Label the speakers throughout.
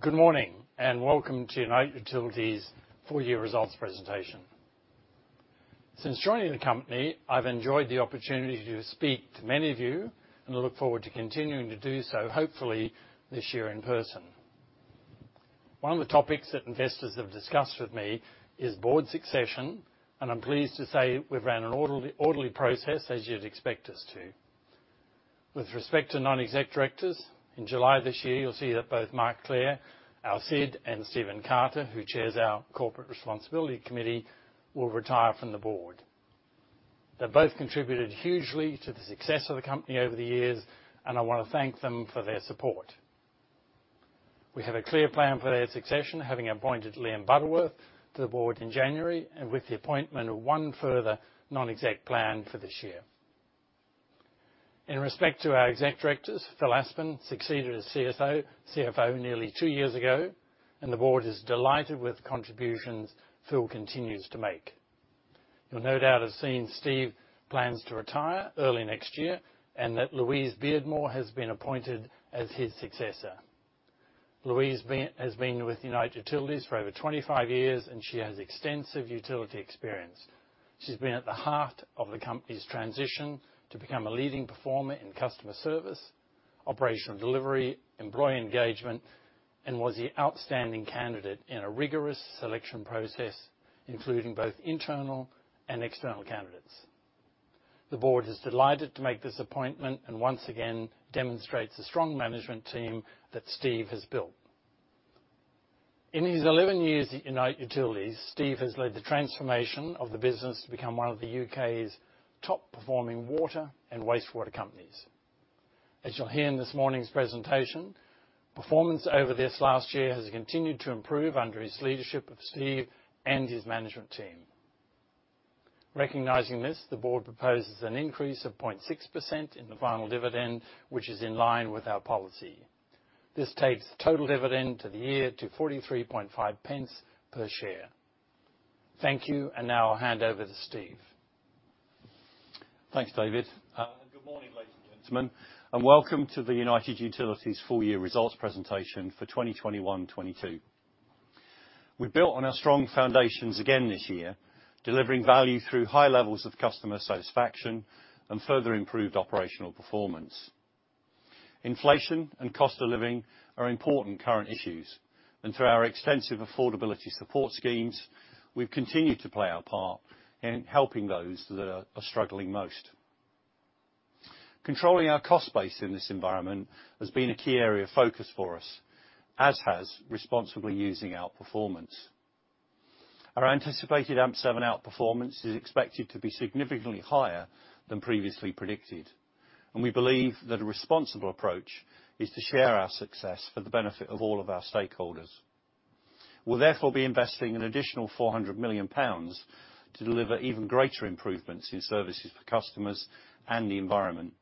Speaker 1: Good morning, and welcome to United Utilities' full year results presentation. Since joining the company, I've enjoyed the opportunity to speak to many of you, and I look forward to continuing to do so, hopefully this year in person. One of the topics that investors have discussed with me is board succession, and I'm pleased to say we've run an orderly process as you'd expect us to. With respect to non-exec directors, in July this year, you'll see that both Mark Clare, our SID, and Stephen Carter, who chairs our corporate responsibility committee, will retire from the board. They both contributed hugely to the success of the company over the years, and I wanna thank them for their support. We have a clear plan for their succession, having appointed Liam Butterworth to the board in January, and with the appointment of one further non-exec plan for this year. In respect to our executive directors, Phil Aspin succeeded as CFO nearly two years ago, and the board is delighted with contributions Phil continues to make. You'll no doubt have seen Steve plans to retire early next year, and that Louise Beardmore has been appointed as his successor. Louise has been with United Utilities for over 25 years, and she has extensive utility experience. She's been at the heart of the company's transition to become a leading performer in customer service, operational delivery, employee engagement, and was the outstanding candidate in a rigorous selection process, including both internal and external candidates. The board is delighted to make this appointment, and once again, demonstrates a strong management team that Steve has built. In his 11 years at United Utilities, Steve has led the transformation of the business to become one of the U.K.'s top performing water and wastewater companies. As you'll hear in this morning's presentation, performance over this last year has continued to improve under his leadership of Steve and his management team. Recognizing this, the board proposes an increase of 0.6% in the final dividend, which is in line with our policy. This takes the total dividend for the year to 0.435 per share. Thank you, and now I'll hand over to Steve.
Speaker 2: Thanks, David. Good morning, ladies and gentlemen, and welcome to the United Utilities full year results presentation for 2021/2022. We built on our strong foundations again this year, delivering value through high levels of customer satisfaction and further improved operational performance. Inflation and cost of living are important current issues, and through our extensive affordability support schemes, we've continued to play our part in helping those that are struggling most. Controlling our cost base in this environment has been a key area of focus for us, as has responsibly using outperformance. Our anticipated AMP7 outperformance is expected to be significantly higher than previously predicted, and we believe that a responsible approach is to share our success for the benefit of all of our stakeholders. We'll therefore be investing an additional 400 million pounds to deliver even greater improvements in services for customers and the environment,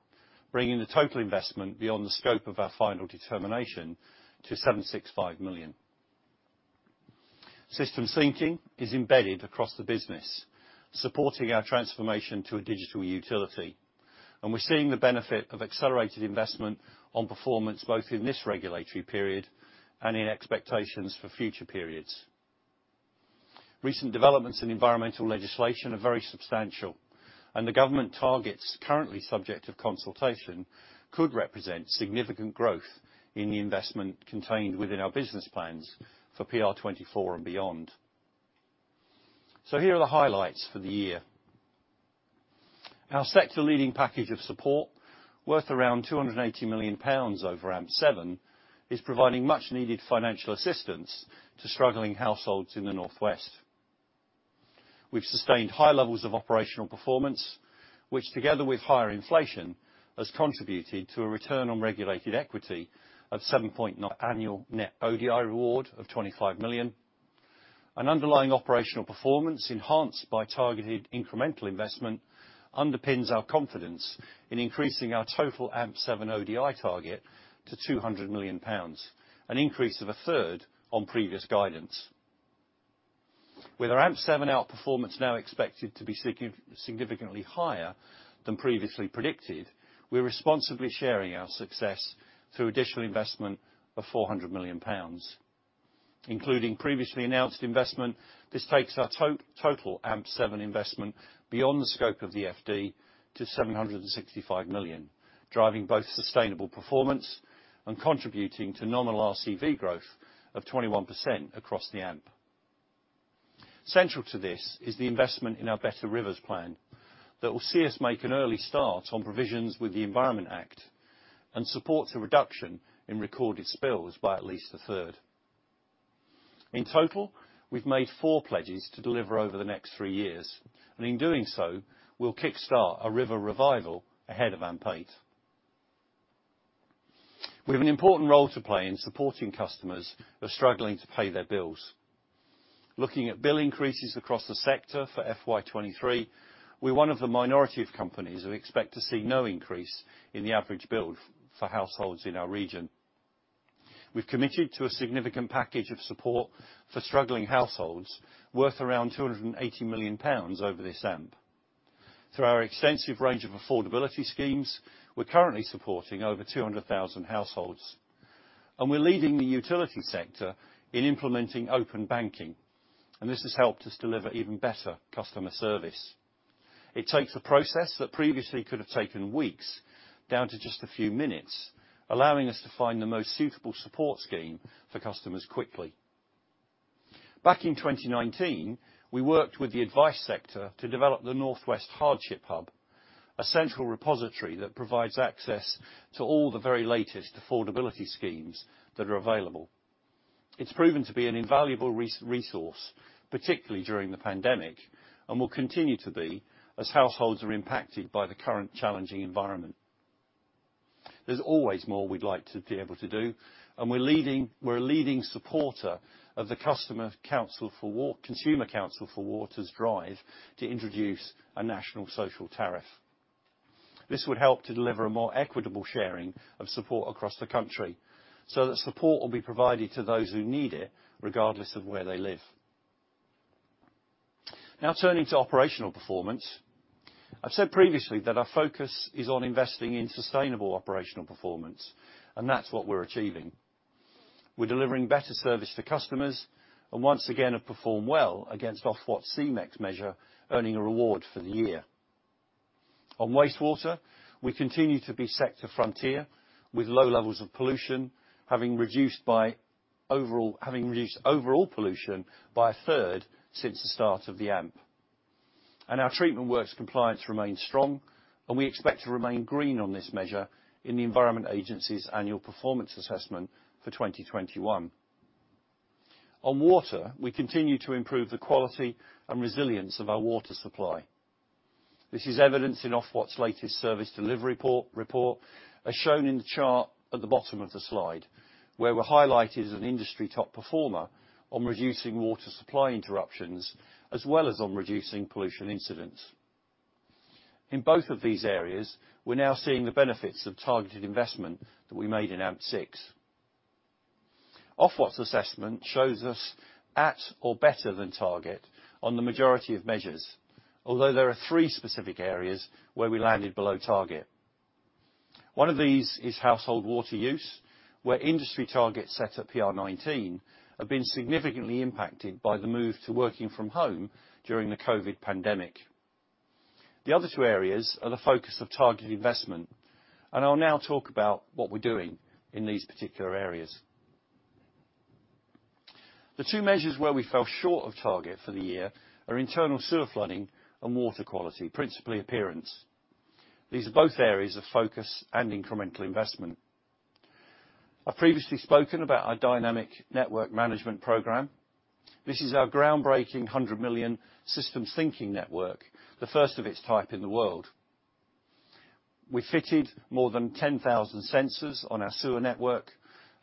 Speaker 2: bringing the total investment beyond the scope of our final determination to 765 million. Systems thinking is embedded across the business, supporting our transformation to a digital utility, and we're seeing the benefit of accelerated investment on performance, both in this regulatory period and in expectations for future periods. Recent developments in environmental legislation are very substantial, and the government targets currently subject of consultation could represent significant growth in the investment contained within our business plans for PR24 and beyond. Here are the highlights for the year. Our sector leading package of support, worth around 280 million pounds over AMP7, is providing much needed financial assistance to struggling households in the North West. We've sustained high levels of operational performance, which together with higher inflation, has contributed to a return on regulated equity of 7.9%, annual net ODI reward of 25 million. An underlying operational performance enhanced by targeted incremental investment underpins our confidence in increasing our total AMP7 ODI target to 200 million pounds, an increase of a third on previous guidance. With our AMP7 outperformance now expected to be significantly higher than previously predicted, we're responsibly sharing our success through additional investment of 400 million pounds. Including previously announced investment, this takes our total AMP7 investment beyond the scope of the FD to 765 million, driving both sustainable performance and contributing to nominal RCV growth of 21% across the AMP. Central to this is the investment in our Better Rivers plan that will see us make an early start on provisions with the Environment Act and support a reduction in recorded spills by at least a third. In total, we've made four pledges to deliver over the next three years, and in doing so, we'll kickstart a river revival ahead of AMP8. We have an important role to play in supporting customers who are struggling to pay their bills. Looking at bill increases across the sector for FY23, we're one of the minority of companies who expect to see no increase in the average bill for households in our region. We've committed to a significant package of support for struggling households worth around 280 million pounds over this AMP. Through our extensive range of affordability schemes, we're currently supporting over 200,000 households, and we're leading the utility sector in implementing open banking, and this has helped us deliver even better customer service. It takes a process that previously could have taken weeks down to just a few minutes, allowing us to find the most suitable support scheme for customers quickly. Back in 2019, we worked with the advice sector to develop the North West Hardship Hub, a central repository that provides access to all the very latest affordability schemes that are available. It's proven to be an invaluable resource, particularly during the pandemic, and will continue to be as households are impacted by the current challenging environment. There's always more we'd like to be able to do, and we're leading. We're a leading supporter of the Consumer Council for Water's drive to introduce a national social tariff. This would help to deliver a more equitable sharing of support across the country, so that support will be provided to those who need it, regardless of where they live. Now turning to operational performance. I've said previously that our focus is on investing in sustainable operational performance, and that's what we're achieving. We're delivering better service to customers, and once again have performed well against Ofwat's C-MEX measure, earning a reward for the year. On wastewater, we continue to be sector frontier, with low levels of pollution, having reduced overall pollution by a third since the start of the AMP. Our treatment works compliance remains strong, and we expect to remain green on this measure in the Environment Agency's annual performance assessment for 2021. On water, we continue to improve the quality and resilience of our water supply. This is evidenced in Ofwat's latest service delivery report, as shown in the chart at the bottom of the slide, where we're highlighted as an industry top performer on reducing water supply interruptions, as well as on reducing pollution incidents. In both of these areas, we're now seeing the benefits of targeted investment that we made in AMP6. Ofwat's assessment shows us at or better than target on the majority of measures, although there are three specific areas where we landed below target. One of these is household water use, where industry targets set at PR19 have been significantly impacted by the move to working from home during the COVID pandemic. The other two areas are the focus of targeted investment, and I'll now talk about what we're doing in these particular areas. The two measures where we fell short of target for the year are internal sewer flooding and water quality, principally appearance. These are both areas of focus and incremental investment. I've previously spoken about our Dynamic Network Management program. This is our groundbreaking 100 million systems thinking network, the first of its type in the world. We fitted more than 10,000 sensors on our sewer network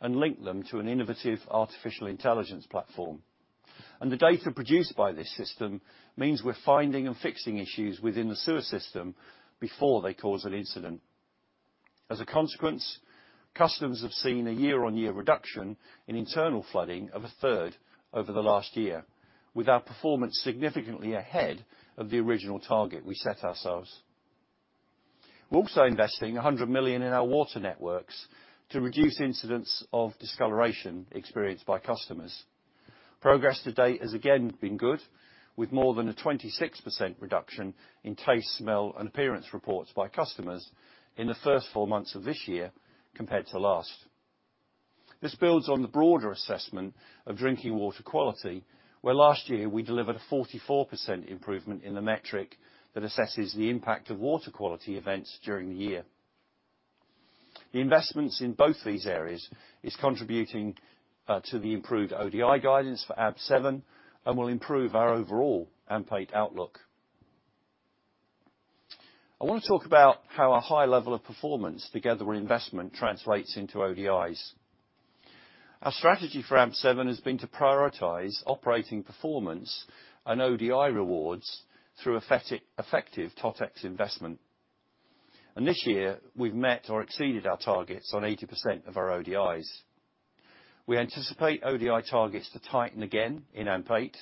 Speaker 2: and linked them to an innovative artificial intelligence platform. The data produced by this system means we're finding and fixing issues within the sewer network before they cause an incident. As a consequence, customers have seen a year-on-year reduction in internal flooding of a third over the last year, with our performance significantly ahead of the original target we set ourselves. We're also investing 100 million in our water networks to reduce incidents of discoloration experienced by customers. Progress to date has again been good, with more than a 26% reduction in taste, smell, and appearance reports by customers in the first four months of this year compared to last. This builds on the broader assessment of drinking water quality, where last year we delivered a 44% improvement in the metric that assesses the impact of water quality events during the year. The investments in both these areas is contributing to the improved ODI guidance for AMP7 and will improve our overall AMP8 outlook. I want to talk about how our high level of performance together with investment translates into ODIs. Our strategy for AMP7 has been to prioritize operating performance and ODI rewards through effective TotEx investment. This year, we've met or exceeded our targets on 80% of our ODIs. We anticipate ODI targets to tighten again in AMP8,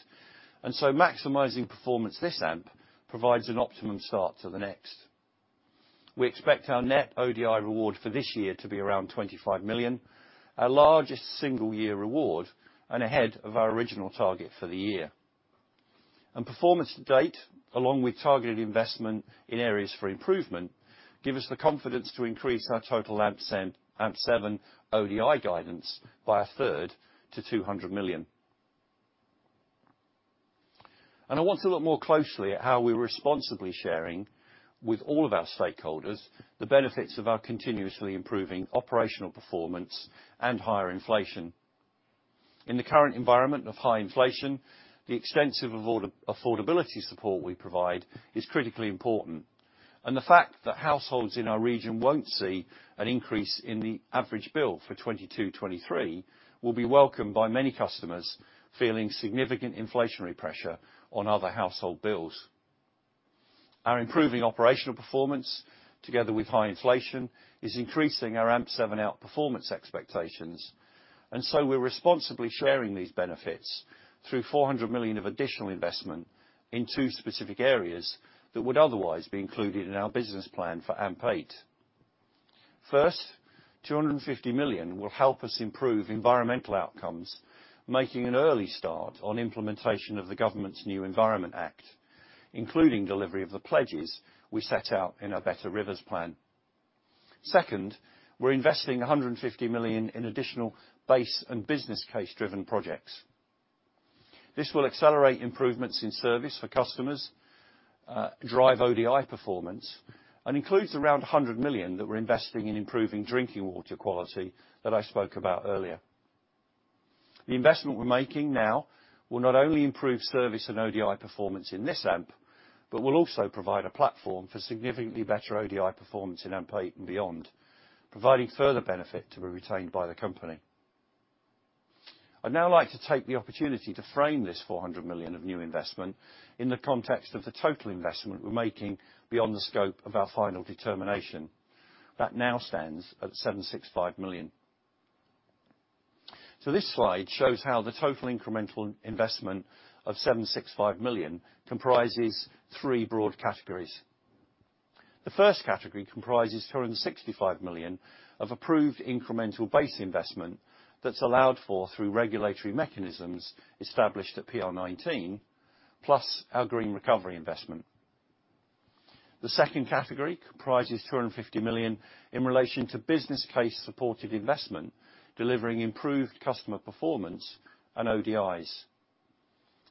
Speaker 2: and so maximizing performance this AMP provides an optimum start to the next. We expect our net ODI reward for this year to be around 25 million, our largest single year reward, and ahead of our original target for the year. Performance to date, along with targeted investment in areas for improvement, give us the confidence to increase our total AMP7 ODI guidance by a third to 200 million. I want to look more closely at how we're responsibly sharing with all of our stakeholders the benefits of our continuously improving operational performance and higher inflation. In the current environment of high inflation, the extensive affordability support we provide is critically important, and the fact that households in our region won't see an increase in the average bill for 2022-2023 will be welcomed by many customers feeling significant inflationary pressure on other household bills. Our improving operational performance, together with high inflation, is increasing our AMP7 outperformance expectations, and so we're responsibly sharing these benefits through 400 million of additional investment in two specific areas that would otherwise be included in our business plan for AMP8. First, 250 million will help us improve environmental outcomes, making an early start on implementation of the government's new Environment Act, including delivery of the pledges we set out in our Better Rivers plan. Second, we're investing 150 million in additional base and business case-driven projects. This will accelerate improvements in service for customers, drive ODI performance, and includes around 100 million that we're investing in improving drinking water quality that I spoke about earlier. The investment we're making now will not only improve service and ODI performance in this AMP, but will also provide a platform for significantly better ODI performance in AMP8 and beyond, providing further benefit to be retained by the company. I'd now like to take the opportunity to frame this 400 million of new investment in the context of the total investment we're making beyond the scope of our final determination. That now stands at 765 million. This slide shows how the total incremental investment of 765 million comprises three broad categories. The first category comprises 265 million of approved incremental base investment that's allowed for through regulatory mechanisms established at PR19, plus our Green Recovery investment. The second category comprises 250 million in relation to business case-supported investment, delivering improved customer performance and ODIs.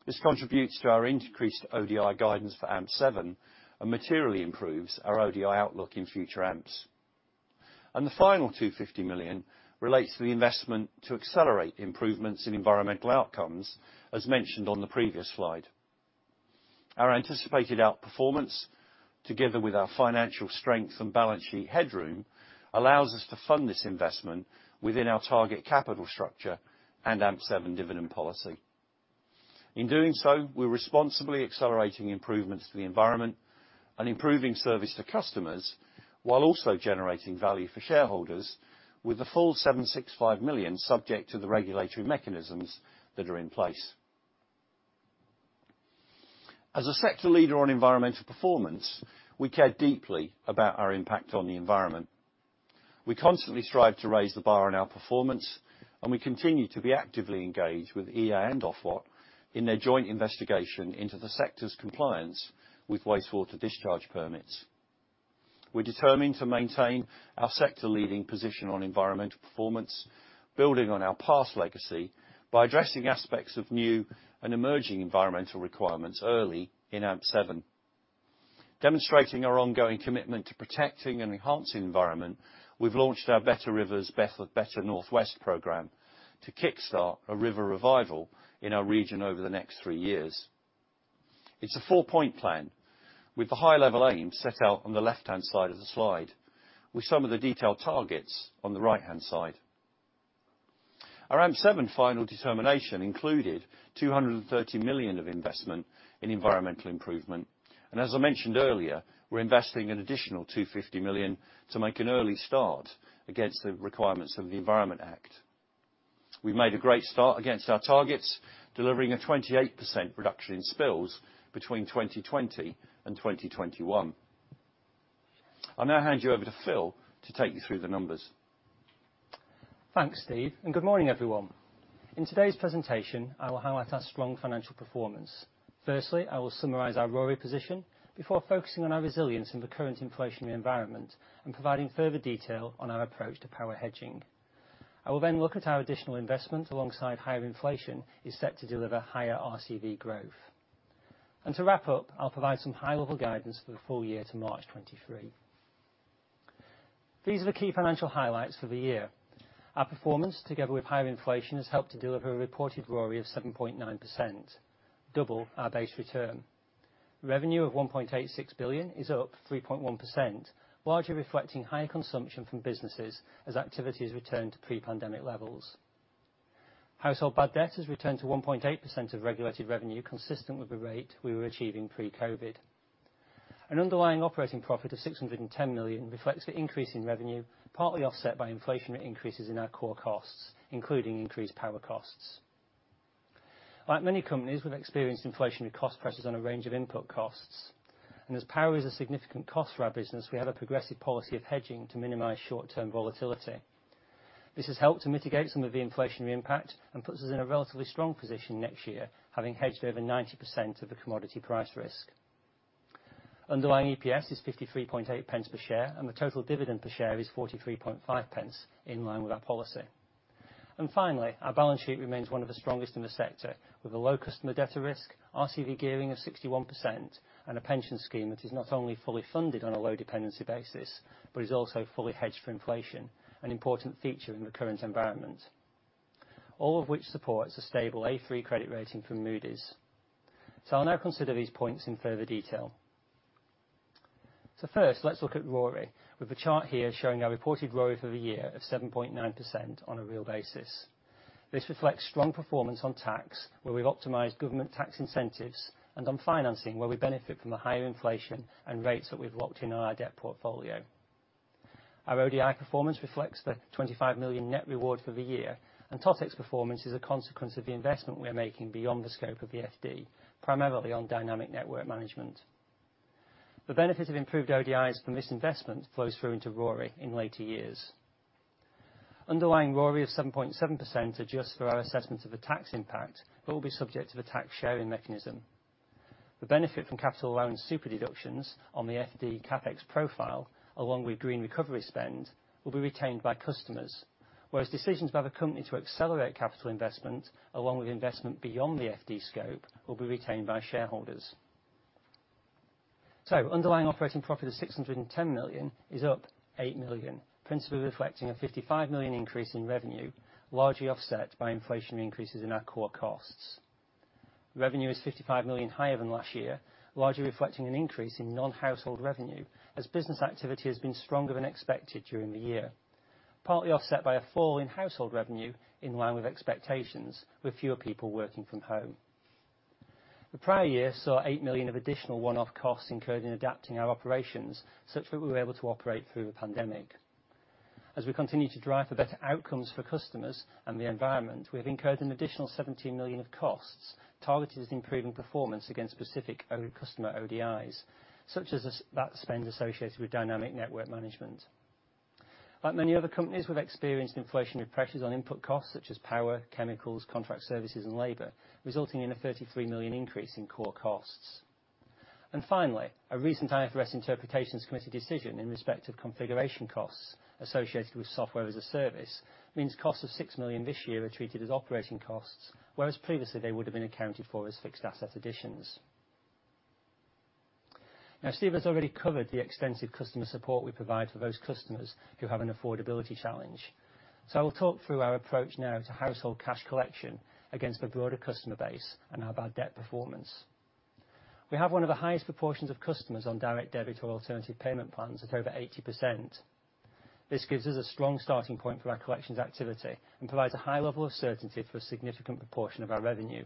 Speaker 2: This contributes to our increased ODI guidance for AMP7 and materially improves our ODI outlook in future AMPs. The final 250 million relates to the investment to accelerate the improvements in environmental outcomes, as mentioned on the previous slide. Our anticipated outperformance, together with our financial strength and balance sheet headroom, allows us to fund this investment within our target capital structure and AMP7 dividend policy. In doing so, we're responsibly accelerating improvements to the environment and improving service to customers, while also generating value for shareholders with the full 765 million subject to the regulatory mechanisms that are in place. As a sector leader on environmental performance, we care deeply about our impact on the environment. We constantly strive to raise the bar on our performance, and we continue to be actively engaged with EA and Ofwat in their joint investigation into the sector's compliance with wastewater discharge permits. We're determined to maintain our sector leading position on environmental performance, building on our past legacy by addressing aspects of new and emerging environmental requirements early in AMP7. Demonstrating our ongoing commitment to protecting and enhancing the environment, we've launched our Better Rivers: Better North West program to kickstart a river revival in our region over the next three years. It's a four-point plan with the high-level aim set out on the left-hand side of the slide, with some of the detailed targets on the right-hand side. Our AMP7 final determination included 230 million of investment in environmental improvement, and as I mentioned earlier, we're investing an additional 250 million to make an early start against the requirements of the Environment Act. We've made a great start against our targets, delivering a 28% reduction in spills between 2020 and 2021. I'll now hand you over to Phil to take you through the numbers.
Speaker 3: Thanks, Steve, and good morning, everyone. In today's presentation, I will highlight our strong financial performance. Firstly, I will summarize our RoRE position before focusing on our resilience in the current inflationary environment and providing further detail on our approach to power hedging. I will then look at our additional investment alongside higher inflation is set to deliver higher RCV growth. To wrap up, I'll provide some high-level guidance for the full year to March 2023. These are the key financial highlights for the year. Our performance, together with higher inflation, has helped to deliver a reported RoRE of 7.9%, double our base return. Revenue of 1.86 billion is up 3.1%, largely reflecting higher consumption from businesses as activity has returned to pre-pandemic levels. Household bad debt has returned to 1.8% of regulated revenue, consistent with the rate we were achieving pre-COVID. An underlying operating profit of 610 million reflects the increase in revenue, partly offset by inflationary increases in our core costs, including increased power costs. Like many companies, we've experienced inflationary cost pressures on a range of input costs, and as power is a significant cost for our business, we have a progressive policy of hedging to minimize short-term volatility. This has helped to mitigate some of the inflationary impact and puts us in a relatively strong position next year, having hedged over 90% of the commodity price risk. Underlying EPS is 53.8 pence per share, and the total dividend per share is 43.5 pence, in line with our policy. Finally, our balance sheet remains one of the strongest in the sector, with a low customer debtor risk, RCV gearing of 61%, and a pension scheme that is not only fully funded on a low dependency basis, but is also fully hedged for inflation, an important feature in the current environment. All of which supports a stable A3 credit rating from Moody's. I'll now consider these points in further detail. First, let's look at RORI, with the chart here showing our reported RORI for the year of 7.9% on a real basis. This reflects strong performance on tax, where we've optimized government tax incentives, and on financing, where we benefit from the higher inflation and rates that we've locked in on our debt portfolio. Our ODI performance reflects the 25 million net reward for the year, and TotEx performance is a consequence of the investment we are making beyond the scope of the FD, primarily on dynamic network management. The benefit of improved ODIs from this investment flows through into RORI in later years. Underlying RORI of 7.7% adjusted for our assessment of the tax impact, but will be subject to the tax sharing mechanism. The benefit from capital allowance super-deductions on the FD CapEx profile, along with green recovery spend, will be retained by customers. Whereas decisions by the company to accelerate capital investment, along with investment beyond the FD scope, will be retained by shareholders. Underlying operating profit of 610 million is up 8 million, principally reflecting a 55 million increase in revenue, largely offset by inflationary increases in our core costs. Revenue is 55 million higher than last year, largely reflecting an increase in non-household revenue as business activity has been stronger than expected during the year. Partly offset by a fall in household revenue in line with expectations, with fewer people working from home. The prior year saw 8 million of additional one-off costs incurred in adapting our operations, such that we were able to operate through the pandemic. As we continue to drive for better outcomes for customers and the environment, we have incurred an additional 17 million of costs, targeted at improving performance against specific customer ODIs, such as that spend associated with Dynamic Network Management. Like many other companies, we've experienced inflationary pressures on input costs such as power, chemicals, contract services, and labor, resulting in a 33 million increase in core costs. Finally, a recent IFRS interpretations committee decision in respect of configuration costs associated with software as a service, means costs of 6 million this year are treated as operating costs, whereas previously they would have been accounted for as fixed asset additions. Now, Steve has already covered the extensive customer support we provide for those customers who have an affordability challenge. I will talk through our approach now to household cash collection against the broader customer base and our bad debt performance. We have one of the highest proportions of customers on direct debit or alternative payment plans of over 80%. This gives us a strong starting point for our collections activity and provides a high level of certainty for a significant proportion of our revenue.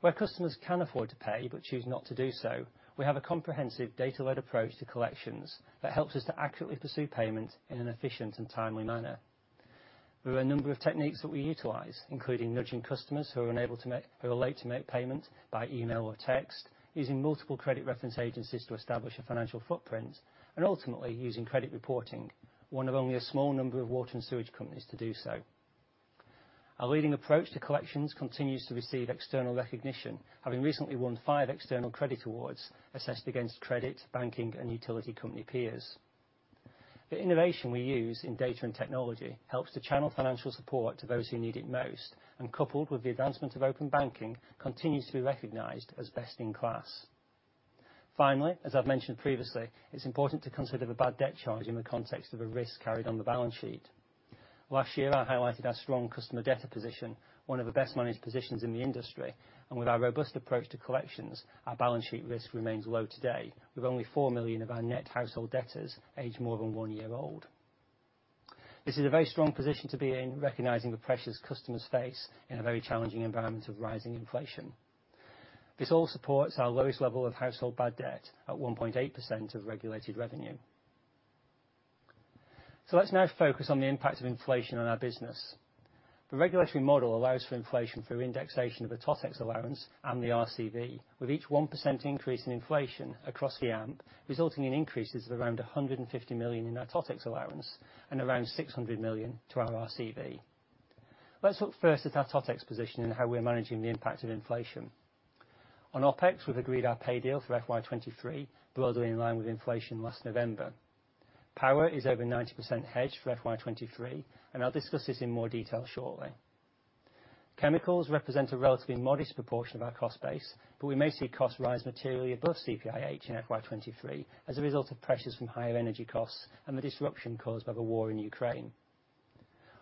Speaker 3: Where customers can afford to pay but choose not to do so, we have a comprehensive data-led approach to collections that helps us to accurately pursue payment in an efficient and timely manner. There are a number of techniques that we utilize, including nudging customers who are late to make payment by email or text, using multiple credit reference agencies to establish a financial footprint, and ultimately, using credit reporting, one of only a small number of water and sewage companies to do so. Our leading approach to collections continues to receive external recognition, having recently won five external credit awards assessed against credit, banking, and utility company peers. The innovation we use in data and technology helps to channel financial support to those who need it most, and coupled with the advancement of open banking, continues to be recognized as best in class. Finally, as I've mentioned previously, it's important to consider the bad debt charge in the context of a risk carried on the balance sheet. Last year, I highlighted our strong customer debtor position, one of the best managed positions in the industry, and with our robust approach to collections, our balance sheet risk remains low today, with only 4 million of our net household debtors aged more than one year old. This is a very strong position to be in, recognizing the pressures customers face in a very challenging environment of rising inflation. This all supports our lowest level of household bad debt at 1.8% of regulated revenue. Let's now focus on the impact of inflation on our business. The regulatory model allows for inflation through indexation of the TotEx allowance and the RCV, with each 1% increase in inflation across the AMP, resulting in increases of around 150 million in our TotEx allowance and around 600 million to our RCV. Let's look first at our TotEx position and how we're managing the impact of inflation. On OpEx, we've agreed our pay deal for FY 2023, broadly in line with inflation last November. Power is over 90% hedged for FY 2023, and I'll discuss this in more detail shortly. Chemicals represent a relatively modest proportion of our cost base, but we may see costs rise materially above CPIH in FY 2023, as a result of pressures from higher energy costs and the disruption caused by the war in Ukraine.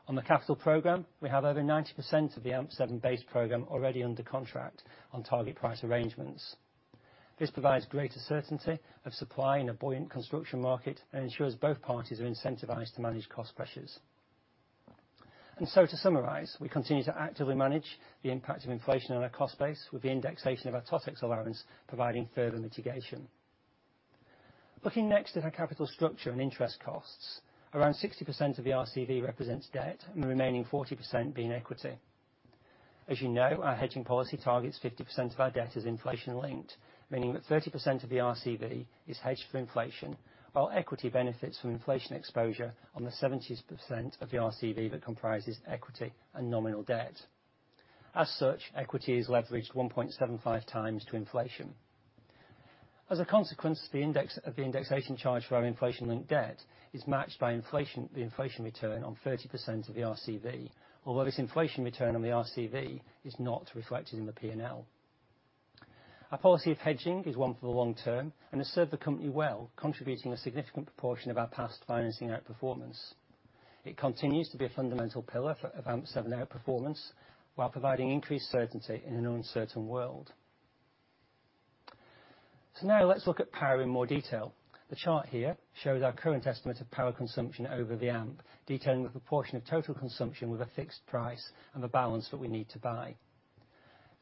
Speaker 3: On the capital program, we have over 90% of the AMP7 base program already under contract on target price arrangements. This provides greater certainty of supply in a buoyant construction market and ensures both parties are incentivized to manage cost pressures. To summarize, we continue to actively manage the impact of inflation on our cost base with the indexation of our TotEx allowance providing further mitigation. Looking next at our capital structure and interest costs. Around 60% of the RCV represents debt and the remaining 40% being equity. As you know, our hedging policy targets 50% of our debt as inflation-linked, meaning that 30% of the RCV is hedged for inflation, while equity benefits from inflation exposure on the 70% of the RCV that comprises equity and nominal debt. As such, equity is leveraged 1.75x to inflation. As a consequence, the index of the indexation charge for our inflation-linked debt is matched by inflation, the inflation return on 30% of the RCV, although this inflation return on the RCV is not reflected in the P&L. Our policy of hedging is one for the long term and has served the company well, contributing a significant proportion of our past financing outperformance. It continues to be a fundamental pillar of AMP7 outperformance, while providing increased certainty in an uncertain world. Now let's look at power in more detail. The chart here shows our current estimate of power consumption over the AMP, detailing the proportion of total consumption with a fixed price and the balance that we need to buy.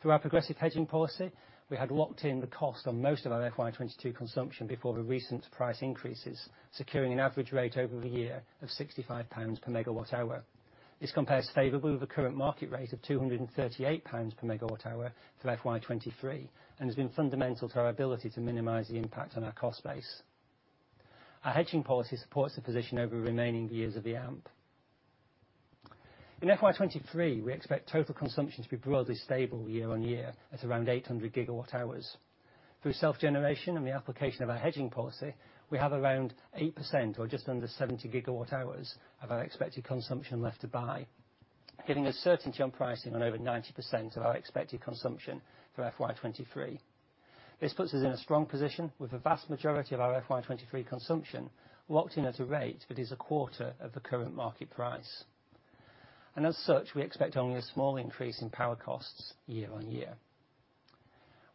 Speaker 3: Through our progressive hedging policy, we had locked in the cost on most of our FY 2022 consumption before the recent price increases, securing an average rate over the year of 65 pounds per MWh. This compares favorably with the current market rate of 238 pounds per MWh for FY 2023, and has been fundamental to our ability to minimize the impact on our cost base. Our hedging policy supports the position over the remaining years of the AMP. In FY 2023, we expect total consumption to be broadly stable year on year at around 800 GWh. Through self-generation and the application of our hedging policy, we have around 8% or just under 70 GWh of our expected consumption left to buy, giving us certainty on pricing on over 90% of our expected consumption for FY 2023. This puts us in a strong position with the vast majority of our FY 2023 consumption locked in at a rate that is a quarter of the current market price. As such, we expect only a small increase in power costs year-on-year.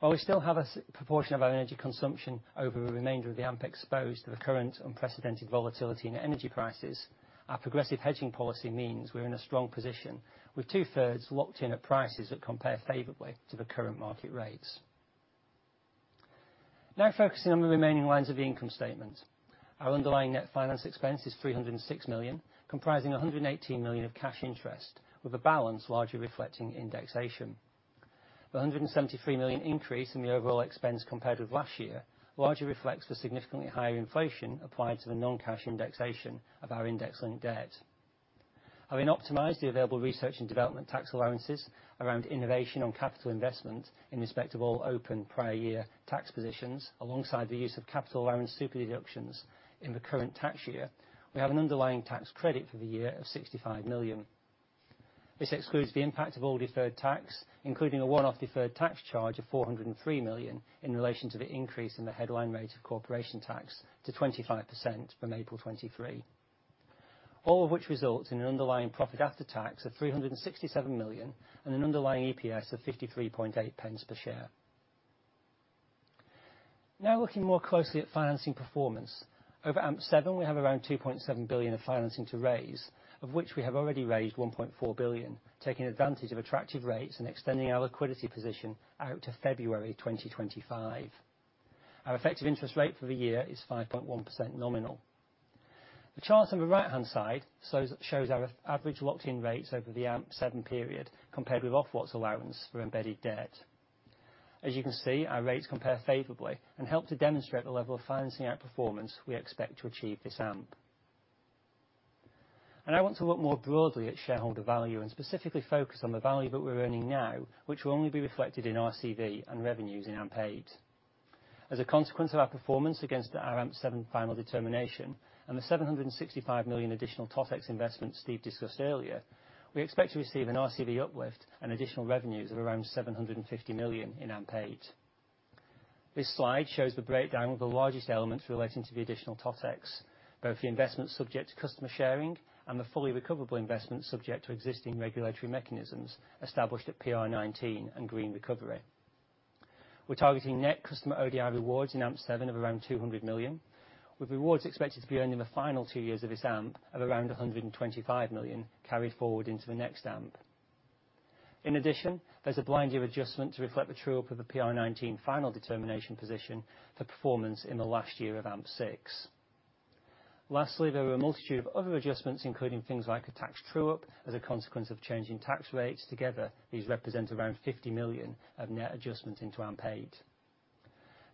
Speaker 3: While we still have a proportion of our energy consumption over the remainder of the AMP exposed to the current unprecedented volatility in energy prices, our progressive hedging policy means we're in a strong position with two-thirds locked in at prices that compare favorably to the current market rates. Now focusing on the remaining lines of the income statement. Our underlying net finance expense is 306 million, comprising 118 million of cash interest, with a balance largely reflecting indexation. The 173 million increase in the overall expense compared with last year largely reflects the significantly higher inflation applied to the non-cash indexation of our index-linked debt. Having optimized the available research and development tax allowances around innovation on capital investment in respect of all open prior year tax positions, alongside the use of capital allowance super-deduction in the current tax year, we have an underlying tax credit for the year of 65 million. This excludes the impact of all deferred tax, including a one-off deferred tax charge of 403 million in relation to the increase in the headline rate of corporation tax to 25% from April 2023. All of which results in an underlying profit after tax of 367 million and an underlying EPS of 0.538 per share. Now looking more closely at financing performance. Over AMP7, we have around 2.7 billion of financing to raise, of which we have already raised 1.4 billion, taking advantage of attractive rates and extending our liquidity position out to February 2025. Our effective interest rate for the year is 5.1% nominal. The chart on the right-hand side shows our average locked-in rates over the AMP7 period compared with Ofwat's allowance for embedded debt. As you can see, our rates compare favorably and help to demonstrate the level of financing outperformance we expect to achieve this AMP. Now I want to look more broadly at shareholder value and specifically focus on the value that we're earning now, which will only be reflected in RCV and revenues in AMP8. As a consequence of our performance against our AMP7 final determination and the 765 million additional TotEx investment Steve discussed earlier, we expect to receive an RCV uplift and additional revenues of around 750 million in AMP8. This slide shows the breakdown of the largest elements relating to the additional TotEx, both the investment subject to customer sharing and the fully recoverable investment subject to existing regulatory mechanisms established at PR19 and Green Recovery. We're targeting net customer ODI rewards in AMP7 of around 200 million, with rewards expected to be earned in the final two years of this AMP of around 125 million carried forward into the next AMP. In addition, there's a blind year adjustment to reflect the true-up of the PR19 final determination position for performance in the last year of AMP6. Lastly, there are a multitude of other adjustments, including things like a tax true-up as a consequence of changing tax rates. Together, these represent around 50 million of net adjustment into AMP8.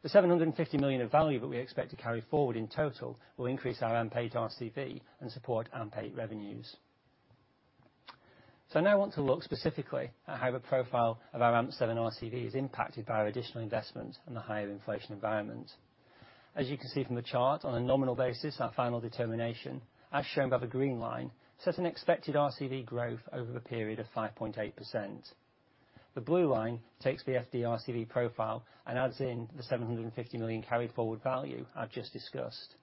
Speaker 3: The 750 million of value that we expect to carry forward in total will increase our AMP8 RCV and support AMP8 revenues. I now want to look specifically at how the profile of our AMP7 RCV is impacted by our additional investment and the higher inflation environment. As you can see from the chart, on a nominal basis, our final determination, as shown by the green line, sets an expected RCV growth over the period of 5.8%. The blue line takes the FD RCV profile and adds in the 750 million carry forward value I've just discussed.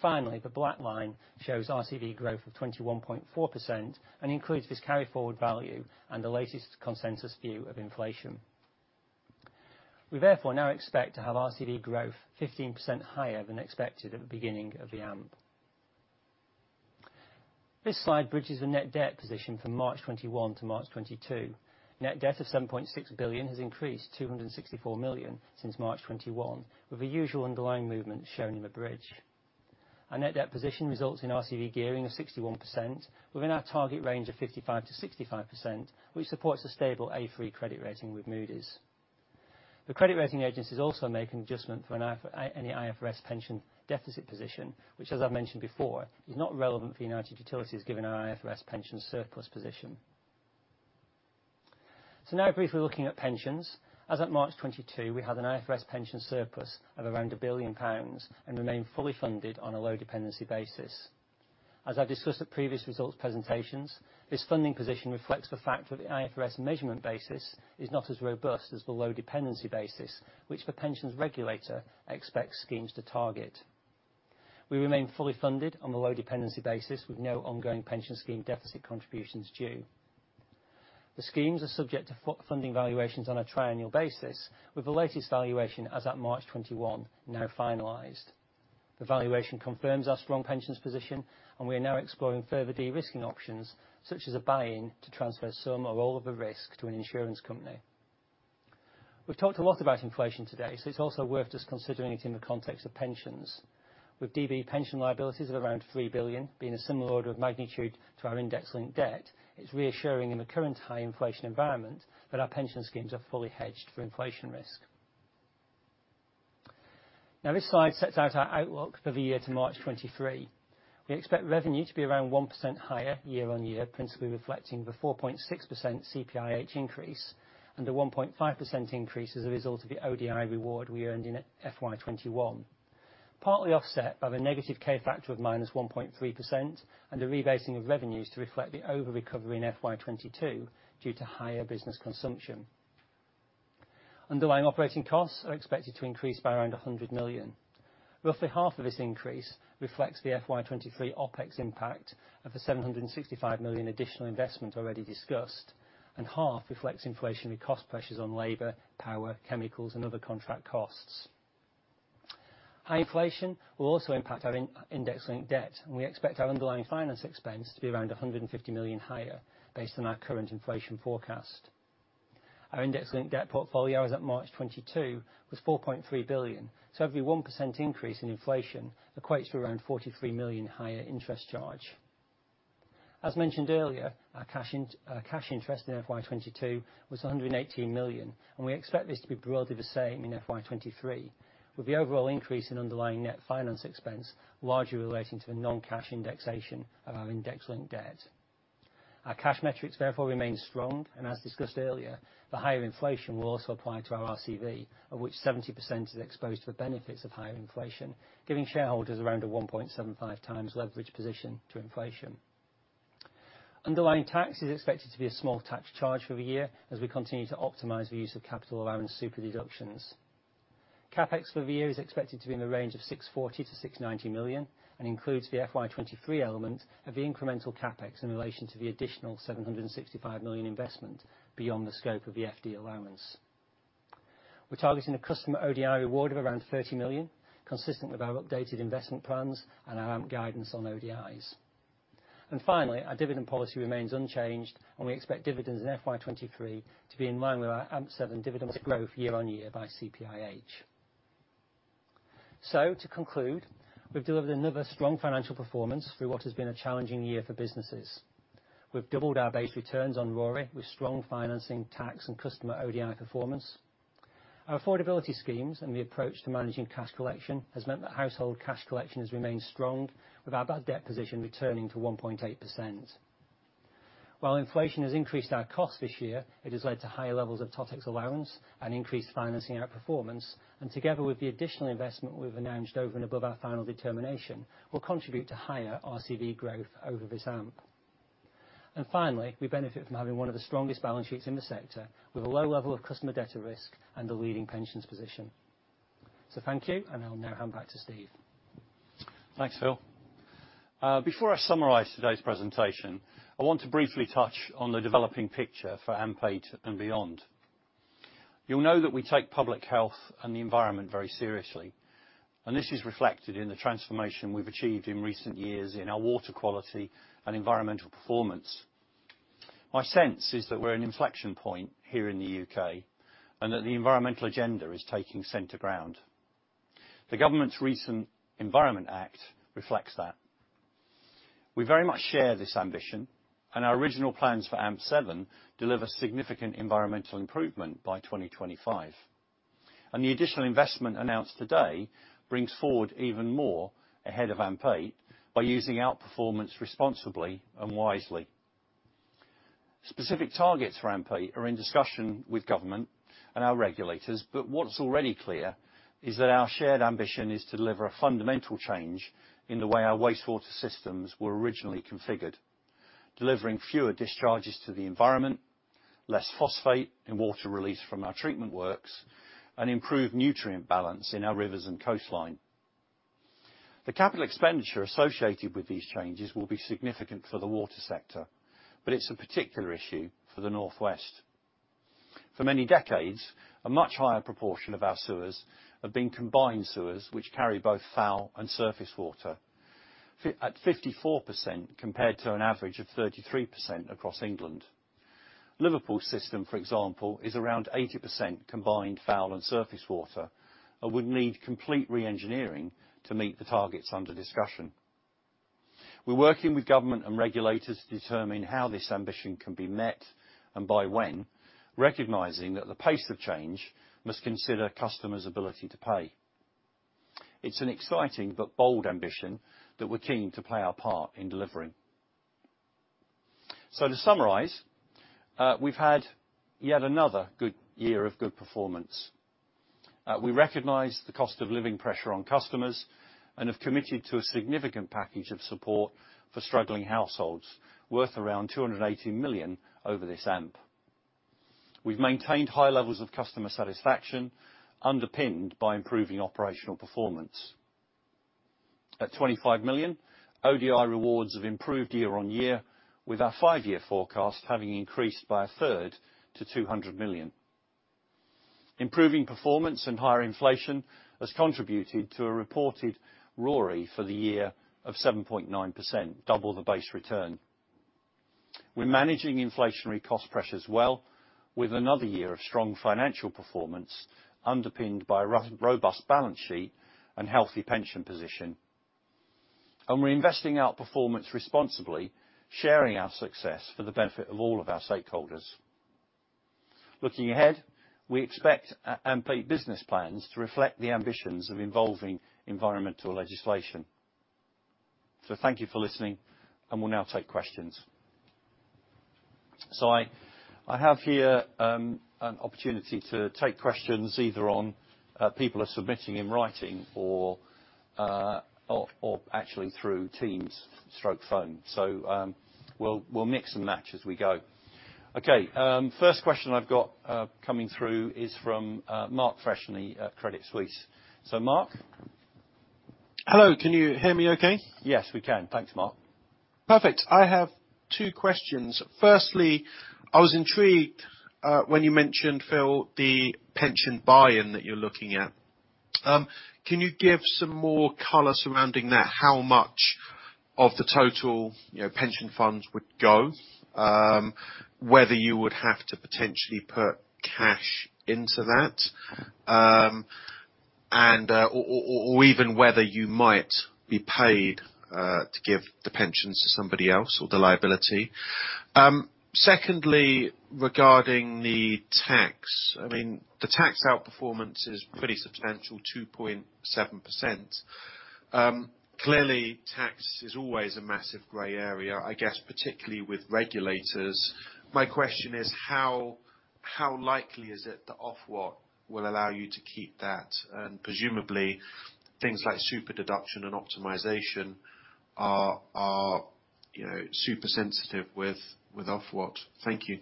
Speaker 3: Finally, the black line shows RCV growth of 21.4% and includes this carry forward value and the latest consensus view of inflation. We therefore now expect to have RCV growth 15% higher than expected at the beginning of the AMP. This slide bridges the net debt position from March 2021-March 2022. Net debt of 7.6 billion has increased 264 million since March 2021, with the usual underlying movement shown in the bridge. Our net debt position results in RCV gearing of 61% within our target range of 55%-65%, which supports a stable A3 credit rating with Moody's. The credit rating agencies also make an adjustment for an IFRS pension deficit position, which as I've mentioned before, is not relevant for United Utilities given our IFRS pension surplus position. Now briefly looking at pensions. As at March 2022, we had an IFRS pension surplus of around 1 billion pounds and remain fully funded on a low dependency basis. As I discussed at previous results presentations, this funding position reflects the fact that the IFRS measurement basis is not as robust as the low dependency basis, which the pensions regulator expects schemes to target. We remain fully funded on the low dependency basis with no ongoing pension scheme deficit contributions due. The schemes are subject to funding valuations on a triennial basis, with the latest valuation as at March 2021 now finalized. The valuation confirms our strong pensions position, and we are now exploring further de-risking options, such as a buy-in to transfer some or all of the risk to an insurance company. We've talked a lot about inflation today, so it's also worth just considering it in the context of pensions. With DB pension liabilities of around 3 billion being a similar order of magnitude to our index-linked debt, it's reassuring in the current high inflation environment that our pension schemes are fully hedged for inflation risk. Now, this slide sets out our outlook for the year to March 2023. We expect revenue to be around 1% higher year-over-year, principally reflecting the 4.6% CPIH increase and the 1.5% increase as a result of the ODI reward we earned in FY 2021, partly offset by the negative K factor of -1.3% and the rebasing of revenues to reflect the over-recovery in FY 2022 due to higher business consumption. Underlying operating costs are expected to increase by around 100 million. Roughly half of this increase reflects the FY 2023 OpEx impact of the 765 million additional investment already discussed, and half reflects inflationary cost pressures on labor, power, chemicals, and other contract costs. High inflation will also impact our index-linked debt, and we expect our underlying finance expense to be around 150 million higher based on our current inflation forecast. Our index-linked debt portfolio as at March 2022 was 4.3 billion, so every 1% increase in inflation equates to around 43 million higher interest charge. As mentioned earlier, our cash interest in FY 2022 was 118 million, and we expect this to be broadly the same in FY 2023, with the overall increase in underlying net finance expense largely relating to the non-cash indexation of our index-linked debt. Our cash metrics therefore remain strong, and as discussed earlier, the higher inflation will also apply to our RCV, of which 70% is exposed to the benefits of higher inflation, giving shareholders around a 1.75x leverage position to inflation. Underlying tax is expected to be a small tax charge for the year as we continue to optimize the use of capital allowance super deductions. CapEx for the year is expected to be in the range of 640 million-690 million and includes the FY 2023 element of the incremental CapEx in relation to the additional 765 million investment beyond the scope of the FD allowance. We're targeting a customer ODI reward of around 30 million, consistent with our updated investment plans and our AMP guidance on ODIs. Finally, our dividend policy remains unchanged, and we expect dividends in FY 2023 to be in line with our AMP7 dividends growth year-on-year by CPIH. To conclude, we've delivered another strong financial performance through what has been a challenging year for businesses. We've doubled our base returns on RoRE with strong financing, tax, and customer ODI performance. Our affordability schemes and the approach to managing cash collection has meant that household cash collection has remained strong, with our bad debt position returning to 1.8%. While inflation has increased our costs this year, it has led to higher levels of TotEx allowance and increased financing outperformance, and together with the additional investment we've announced over and above our final determination, will contribute to higher RCV growth over this AMP. Finally, we benefit from having one of the strongest balance sheets in the sector with a low level of customer debtor risk and a leading pensions position. Thank you, and I'll now hand back to Steve.
Speaker 2: Thanks, Phil. Before I summarize today's presentation, I want to briefly touch on the developing picture for AMP8 and beyond. You'll know that we take public health and the environment very seriously, and this is reflected in the transformation we've achieved in recent years in our water quality and environmental performance. My sense is that we're an inflection point here in the UK and that the environmental agenda is taking center ground. The government's recent Environment Act reflects that. We very much share this ambition, and our original plans for AMP7 deliver significant environmental improvement by 2025. The additional investment announced today brings forward even more ahead of AMP8 by using outperformance responsibly and wisely. Specific targets for AMP8 are in discussion with government and our regulators, but what's already clear is that our shared ambition is to deliver a fundamental change in the way our wastewater systems were originally configured. Delivering fewer discharges to the environment, less phosphate and water release from our treatment works, and improved nutrient balance in our rivers and coastline. The capital expenditure associated with these changes will be significant for the water sector, but it's a particular issue for the North West. For many decades, a much higher proportion of our sewers have been combined sewers, which carry both foul and surface water at 54% compared to an average of 33% across England. Liverpool's system, for example, is around 80% combined foul and surface water and would need complete re-engineering to meet the targets under discussion. We're working with government and regulators to determine how this ambition can be met and by when, recognizing that the pace of change must consider customers' ability to pay. It's an exciting but bold ambition that we're keen to play our part in delivering. To summarize, we've had yet another good year of good performance. We recognize the cost of living pressure on customers and have committed to a significant package of support for struggling households worth around 280 million over this AMP. We've maintained high levels of customer satisfaction, underpinned by improving operational performance. At 25 million, ODI rewards have improved year on year, with our five-year forecast having increased by a third to 200 million. Improving performance and higher inflation has contributed to a reported RoRE for the year of 7.9%, double the base return. We're managing inflationary cost pressures well, with another year of strong financial performance underpinned by a robust balance sheet and healthy pension position. We're investing our performance responsibly, sharing our success for the benefit of all of our stakeholders. Looking ahead, we expect business plans to reflect the ambitions of involving environmental legislation. Thank you for listening, and we'll now take questions. I have here an opportunity to take questions either online people are submitting in writing or actually through Teams/Phone. We'll mix and match as we go. Okay, first question I've got coming through is from Mark Freshney at Credit Suisse. So Mark?
Speaker 4: Hello, can you hear me okay?
Speaker 2: Yes, we can. Thanks, Mark.
Speaker 4: Perfect. I have two questions. Firstly, I was intrigued when you mentioned, Phil, the pension buy-in that you're looking at. Can you give some more color surrounding that? How much of the total, you know, pension funds would go? Whether you would have to potentially put cash into that, and or even whether you might be paid to give the pensions to somebody else or the liability. Secondly, regarding the tax. I mean, the tax outperformance is pretty substantial, 2.7%. Clearly, tax is always a massive gray area, I guess, particularly with regulators. My question is, how likely is it that Ofwat will allow you to keep that? Presumably, things like super-deduction and optimization are, you know, super sensitive with Ofwat. Thank you.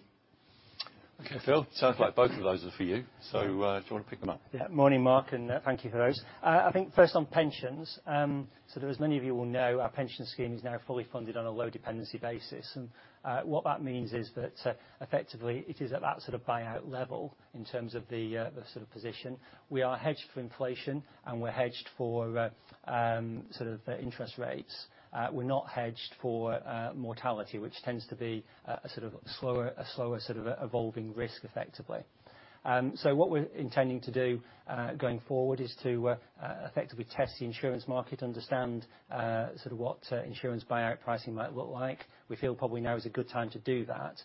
Speaker 2: Okay, Phil, sounds like both of those are for you. Do you wanna pick them up?
Speaker 3: Yeah. Morning, Mark, and thank you for those. I think first on pensions, as many of you will know, our pension scheme is now fully funded on a low dependency basis. What that means is that effectively it is at that sort of buyout level in terms of the sort of position. We are hedged for inflation, and we're hedged for sort of interest rates. We're not hedged for mortality, which tends to be a slower sort of evolving risk, effectively. What we're intending to do going forward is to effectively test the insurance market, understand sort of what insurance buyout pricing might look like. We feel probably now is a good time to do that.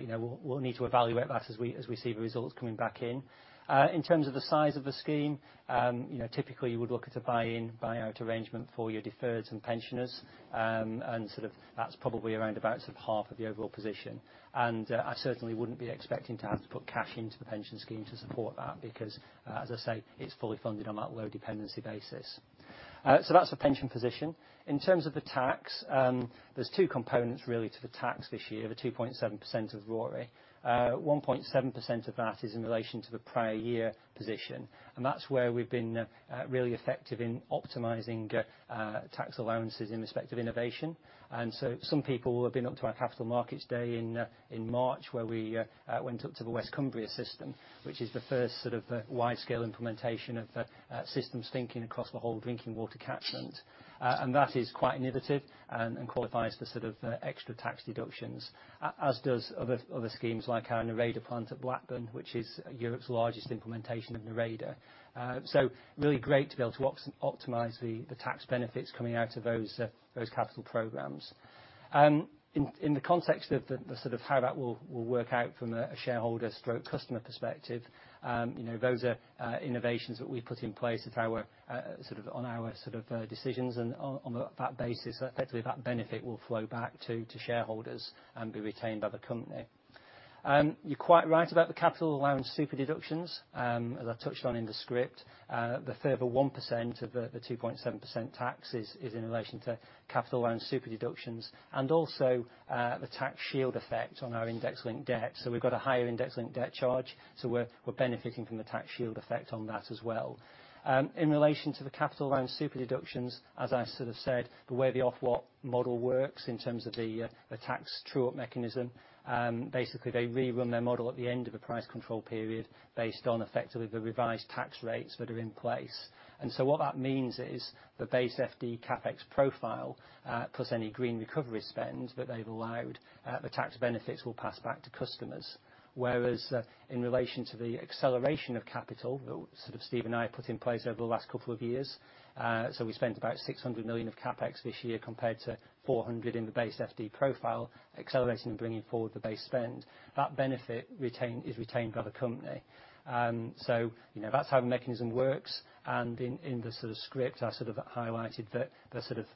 Speaker 3: You know, we'll need to evaluate that as we see the results coming back in. In terms of the size of the scheme, you know, typically you would look at a buy-in, buyout arrangement for your deferreds and pensioners. Sort of that's probably around about sort of half of the overall position. I certainly wouldn't be expecting to have to put cash into the pension scheme to support that because as I say, it's fully funded on that low dependency basis. That's the pension position. In terms of the tax, there's two components really to the tax this year, the 2.7% of RoRE. 1.7% of that is in relation to the prior year position, and that's where we've been really effective in optimizing tax allowances in respect of innovation. Some people will have been up to our capital markets day in March, where we went up to the West Cumbria system, which is the first sort of widescale implementation of systems thinking across the whole drinking water catchment. That is quite innovative and qualifies for sort of extra tax deductions, as does other schemes like our Nereda plant at Blackburn, which is Europe's largest implementation of Nereda. Really great to be able to optimize the tax benefits coming out of those capital programs. In the context of the sort of how that will work out from a shareholder/customer perspective, you know, those are innovations that we've put in place as our sort of decisions. On that basis, effectively that benefit will flow back to shareholders and be retained by the company. You're quite right about the capital allowance super-deduction. As I touched on in the script, the further 1% of the 2.7% tax is in relation to capital allowance super-deduction and also the tax shield effect on our index-linked debt. We've got a higher index-linked debt charge, so we're benefiting from the tax shield effect on that as well. In relation to the capital allowance super-deduction, as I sort of said, the way the Ofwat model works in terms of the tax true-up mechanism, basically they rerun their model at the end of a price control period based on effectively the revised tax rates that are in place. What that means is the base FD CapEx profile, plus any Green Recovery spend that they've allowed, the tax benefits will pass back to customers. Whereas, in relation to the acceleration of capital that sort of Steve and I put in place over the last couple of years, we spent about 600 million of CapEx this year compared to 400 million in the base FD profile, accelerating and bringing forward the base spend. That benefit is retained by the company. You know, that's how the mechanism works and in the sort of script, I sort of highlighted the sort of,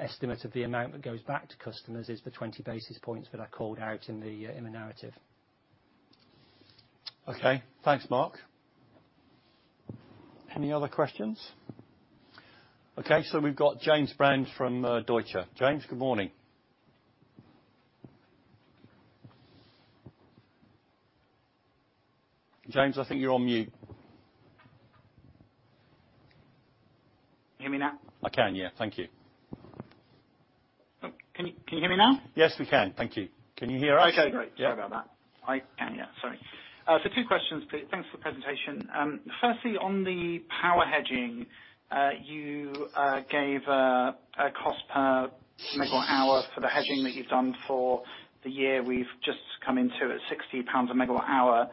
Speaker 3: estimate of the amount that goes back to customers is the 20 basis points that I called out in the, in the narrative.
Speaker 2: Okay. Thanks, Mark. Any other questions? Okay, so we've got James Brand from Deutsche Bank. James, good morning. James, I think you're on mute.
Speaker 5: Can you hear me now?
Speaker 2: I can, yeah. Thank you.
Speaker 5: Oh, can you hear me now?
Speaker 2: Yes, we can. Thank you. Can you hear okay?
Speaker 5: Great. Sorry about that. I can. Sorry. So two questions, please. Thanks for the presentation. Firstly, on the power hedging, you gave a cost per megawatt-hour for the hedging that you've done for the year we've just come into at 60 pounds/MWh.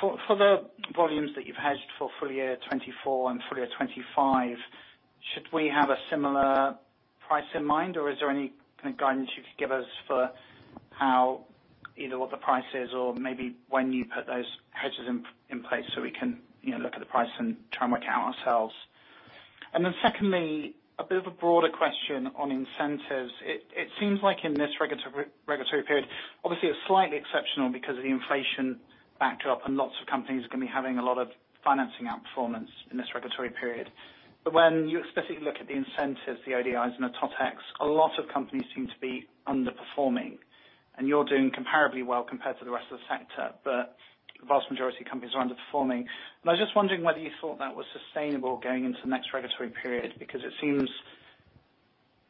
Speaker 5: For the volumes that you've hedged for full year 2024 and full year 2025, should we have a similar price in mind, or is there any kind of guidance you could give us for how either what the price is or maybe when you put those hedges in place so we can, you know, look at the price and try and work out ourselves? Secondly, a bit of a broader question on incentives. It seems like in this regulatory period, obviously it's slightly exceptional because of the inflation backdrop, and lots of companies are gonna be having a lot of financing outperformance in this regulatory period. But when you specifically look at the incentives, the ODIs and the TotEx, a lot of companies seem to be underperforming, and you're doing comparably well compared to the rest of the sector. But the vast majority of companies are underperforming, and I was just wondering whether you thought that was sustainable going into the next regulatory period, because it seems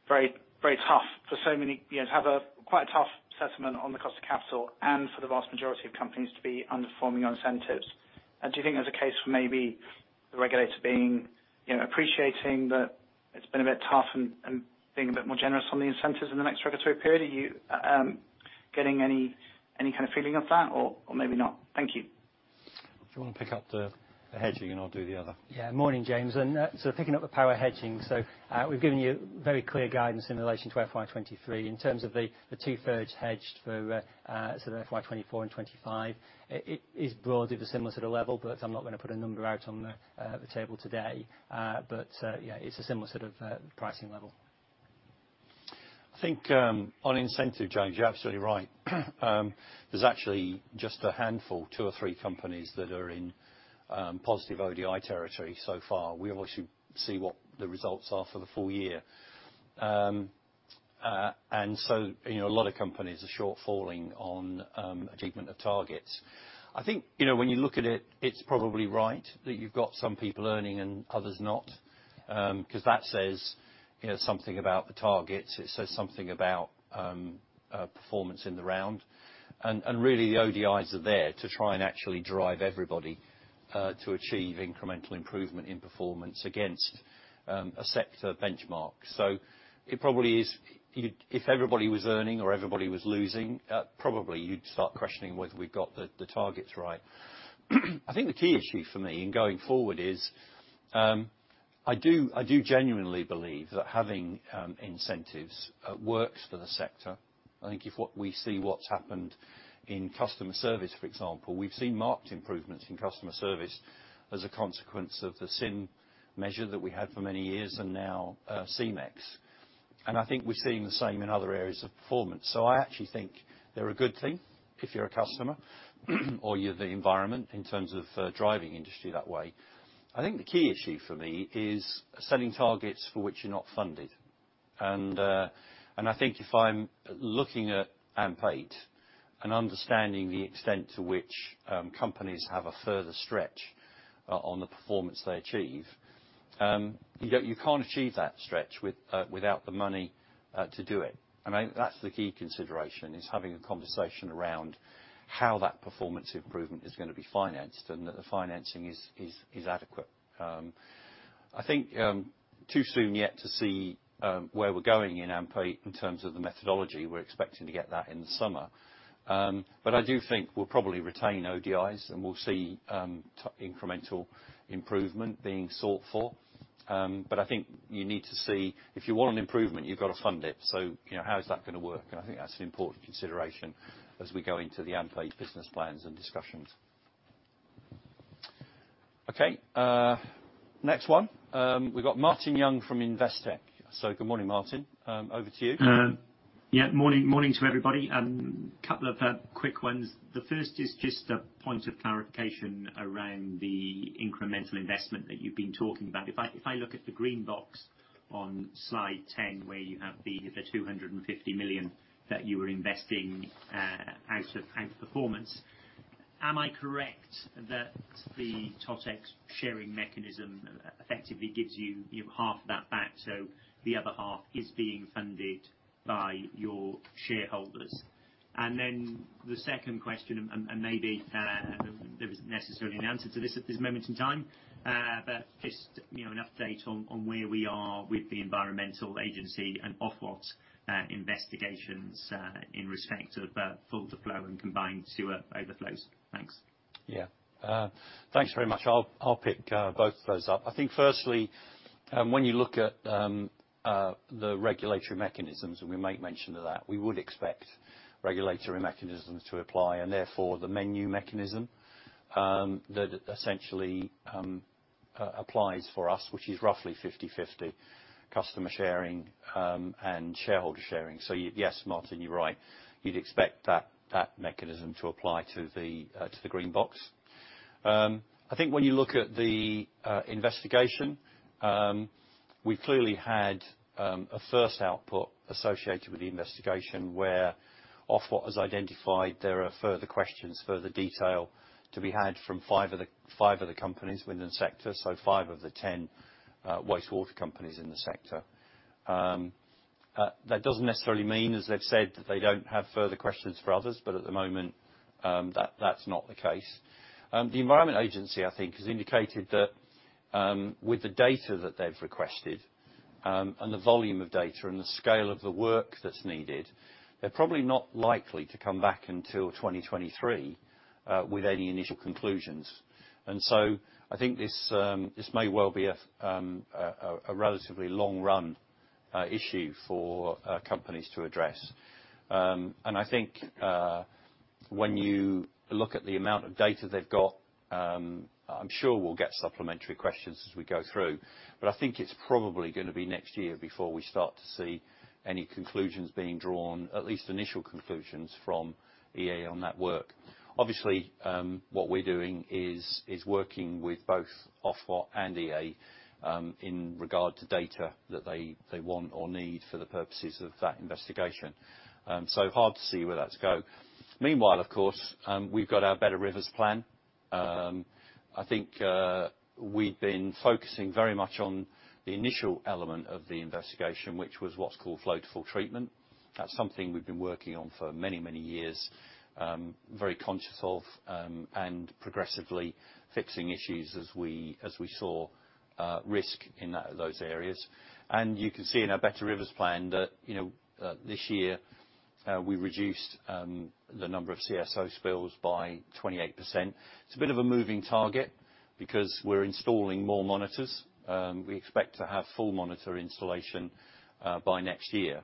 Speaker 5: very, very tough for so many, you know, to have a quite tough assessment on the cost of capital and for the vast majority of companies to be underperforming on incentives. Do you think there's a case for maybe the regulator being, you know, appreciating that it's been a bit tough and being a bit more generous on the incentives in the next regulatory period? Are you getting any kind of feeling of that or maybe not? Thank you.
Speaker 2: Do you wanna pick up the hedging and I'll do the other?
Speaker 3: Morning, James. Picking up the power hedging, we've given you very clear guidance in relation to FY 2023. In terms of the two-thirds hedged for FY 2024 and 2025, it is broadly of a similar sort of level, but I'm not gonna put a number out on the table today. But it's a similar sort of pricing level.
Speaker 2: I think on incentive, James, you're absolutely right. There's actually just a handful, two or three companies that are in positive ODI territory so far. We obviously see what the results are for the full year. You know, a lot of companies are falling short on achievement of targets. I think, you know, when you look at it's probably right that you've got some people earning and others not, 'cause that says, you know, something about the targets. It says something about performance in the round. Really the ODIs are there to try and actually drive everybody to achieve incremental improvement in performance against a sector benchmark. So it probably is you'd if everybody was earning or everybody was losing, probably you'd start questioning whether we've got the targets right. I think the key issue for me in going forward is, I do genuinely believe that having incentives works for the sector. I think if what we see what's happened in customer service, for example, we've seen marked improvements in customer service as a consequence of the SIM measure that we had for many years and now, CMEX. I think we're seeing the same in other areas of performance. I actually think they're a good thing if you're a customer or you're the environment in terms of driving industry that way. I think the key issue for me is setting targets for which you're not funded. I think if I'm looking at AMP8 and understanding the extent to which companies have a further stretch on the performance they achieve, you don't, you can't achieve that stretch with without the money to do it. I mean, that's the key consideration, is having a conversation around how that performance improvement is gonna be financed and that the financing is adequate. I think too soon yet to see where we're going in AMP8 in terms of the methodology. We're expecting to get that in the summer. I do think we'll probably retain ODIs, and we'll see the incremental improvement being sought for. I think you need to see if you want an improvement, you've got to fund it. You know, how is that gonna work? I think that's an important consideration as we go into the AMP8 business plans and discussions. Okay, next one. We've got Martin Young from Investec. Good morning, Martin. Over to you.
Speaker 6: Morning to everybody. Couple of quick ones. The first is just a point of clarification around the incremental investment that you've been talking about. If I look at the green box on slide 10, where you have the 250 million that you were investing out of performance, am I correct that the TotEx sharing mechanism effective gives you know, half that back, so the other half is being funded by your shareholders? The second question, and maybe there isn't necessarily an answer to this at this moment in time, but just, you know, an update on where we are with the Environment Agency and Ofwat investigations in respect of flow to full and combined sewer overflows. Thanks.
Speaker 2: Yeah. Thanks very much. I'll pick both of those up. I think firstly, when you look at the regulatory mechanisms, and we make mention of that, we would expect regulatory mechanisms to apply, and therefore the menu mechanism that essentially applies for us, which is roughly 50/50 customer sharing, and shareholder sharing. Yes, Martin, you're right. You'd expect that mechanism to apply to the green box. I think when you look at the investigation, we clearly had a first output associated with the investigation where, of what was identified, there are further questions, further detail to be had from five of the companies within the sector, so five of the 10 wastewater companies in the sector. That doesn't necessarily mean, as they've said, that they don't have further questions for others, but at the moment, that's not the case. The Environment Agency, I think, has indicated that, with the data that they've requested, and the volume of data and the scale of the work that's needed, they're probably not likely to come back until 2023 with any initial conclusions. I think this may well be a relatively long-run issue for companies to address. I think, when you look at the amount of data they've got, I'm sure we'll get supplementary questions as we go through. I think it's probably gonna be next year before we start to see any conclusions being drawn, at least initial conclusions from EA on that work. Obviously, what we're doing is working with both Ofwat and EA in regard to data that they want or need for the purposes of that investigation. So hard to see where that's going. Meanwhile, of course, we've got our Better Rivers plan. I think we've been focusing very much on the initial element of the investigation, which was what's called flow to full treatment. That's something we've been working on for many, many years, very conscious of, and progressively fixing issues as we saw risk in those areas. You can see in our Better Rivers plan that, you know, this year we reduced the number of CSO spills by 28%. It's a bit of a moving target because we're installing more monitors. We expect to have full monitor installation by next year.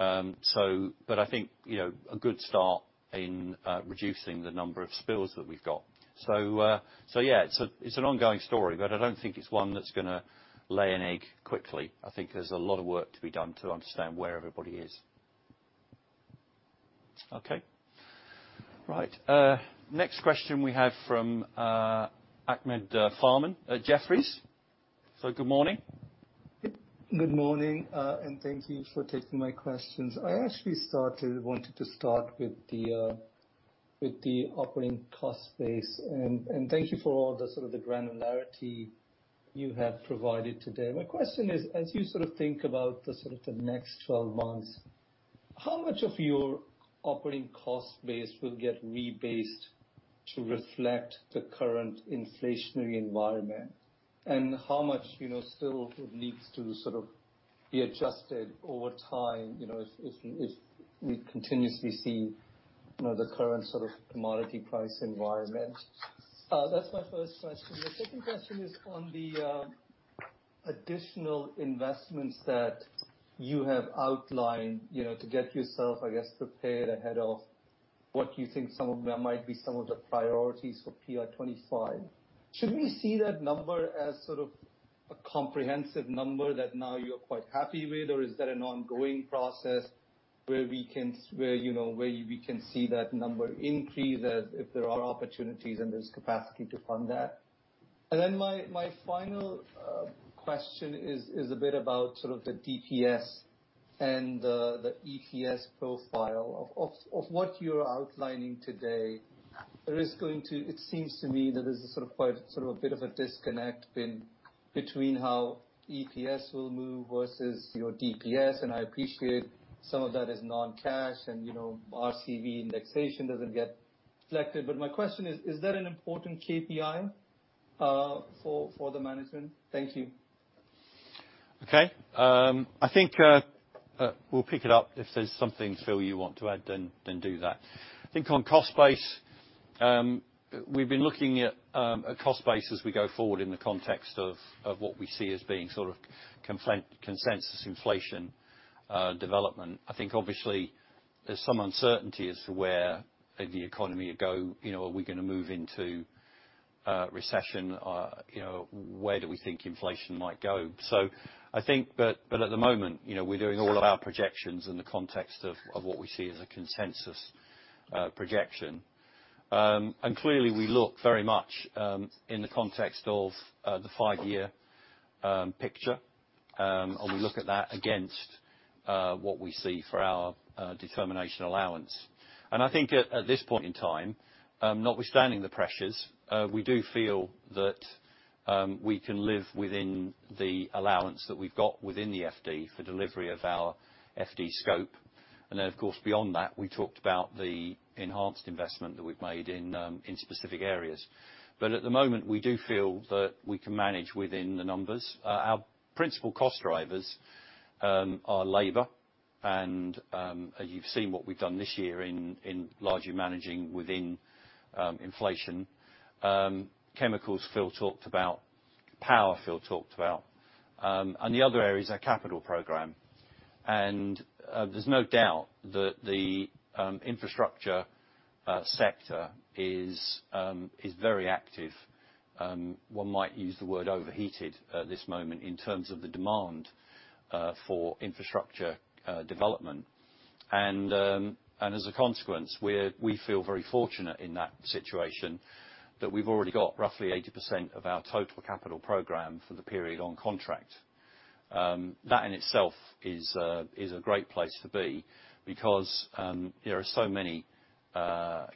Speaker 2: I think, you know, a good start in reducing the number of spills that we've got. Yeah. It's an ongoing story, but I don't think it's one that's gonna lay an egg quickly. I think there's a lot of work to be done to understand where everybody is. Okay. Right. Next question we have from Ahmed Farman at Jefferies. Good morning.
Speaker 7: Good morning, and thank you for taking my questions. I wanted to start with the operating cost base. And thank you for all the sort of the granularity you have provided today. My question is, as you sort of think about the sort of the next 12 months, how much of your operating cost base will get rebased to reflect the current inflationary environment? And how much, you know, still needs to sort of be adjusted over time, you know, if we continuously see, you know, the current sort of commodity price environment? That's my first question. The second question is on the additional investments that you have outlined, you know, to get yourself, I guess, prepared ahead of what you think some of them might be some of the priorities for PR25. Should we see that number as sort of a comprehensive number that now you're quite happy with? Or is that an ongoing process where you know we can see that number increase as if there are opportunities and there's capacity to fund that? My final question is a bit about sort of the DPS and the EPS profile. Of what you're outlining today, there is going to. It seems to me that there's quite a bit of a disconnect between how EPS will move versus your DPS, and I appreciate some of that is non-cash and you know RCV indexation doesn't get reflected. My question is: Is that an important KPI for the management? Thank you.
Speaker 2: Okay. I think we'll pick it up. If there's something, Phil, you want to add, then do that. I think on cost base, we've been looking at a cost base as we go forward in the context of what we see as being sort of consensus inflation development. I think obviously there's some uncertainty as to where the economy will go. You know, are we gonna move into a recession? You know, where do we think inflation might go? I think, but at the moment, you know, we're doing all of our projections in the context of what we see as a consensus projection. Clearly, we look very much in the context of the five-year picture, and we look at that against what we see for our determination allowance. I think at this point in time, notwithstanding the pressures, we do feel that we can live within the allowance that we've got within the FD for delivery of our FD scope. Of course, beyond that, we talked about the enhanced investment that we've made in specific areas. At the moment, we do feel that we can manage within the numbers. Our principal cost drivers are labor and you've seen what we've done this year in largely managing within inflation. Chemicals, Phil talked about. Power, Phil talked about. And the other areas are capital program. There's no doubt that the infrastructure sector is very active, one might use the word overheated at this moment, in terms of the demand for infrastructure development. As a consequence, we feel very fortunate in that situation that we've already got roughly 80% of our total capital program for the period on contract. That in itself is a great place to be because there are so many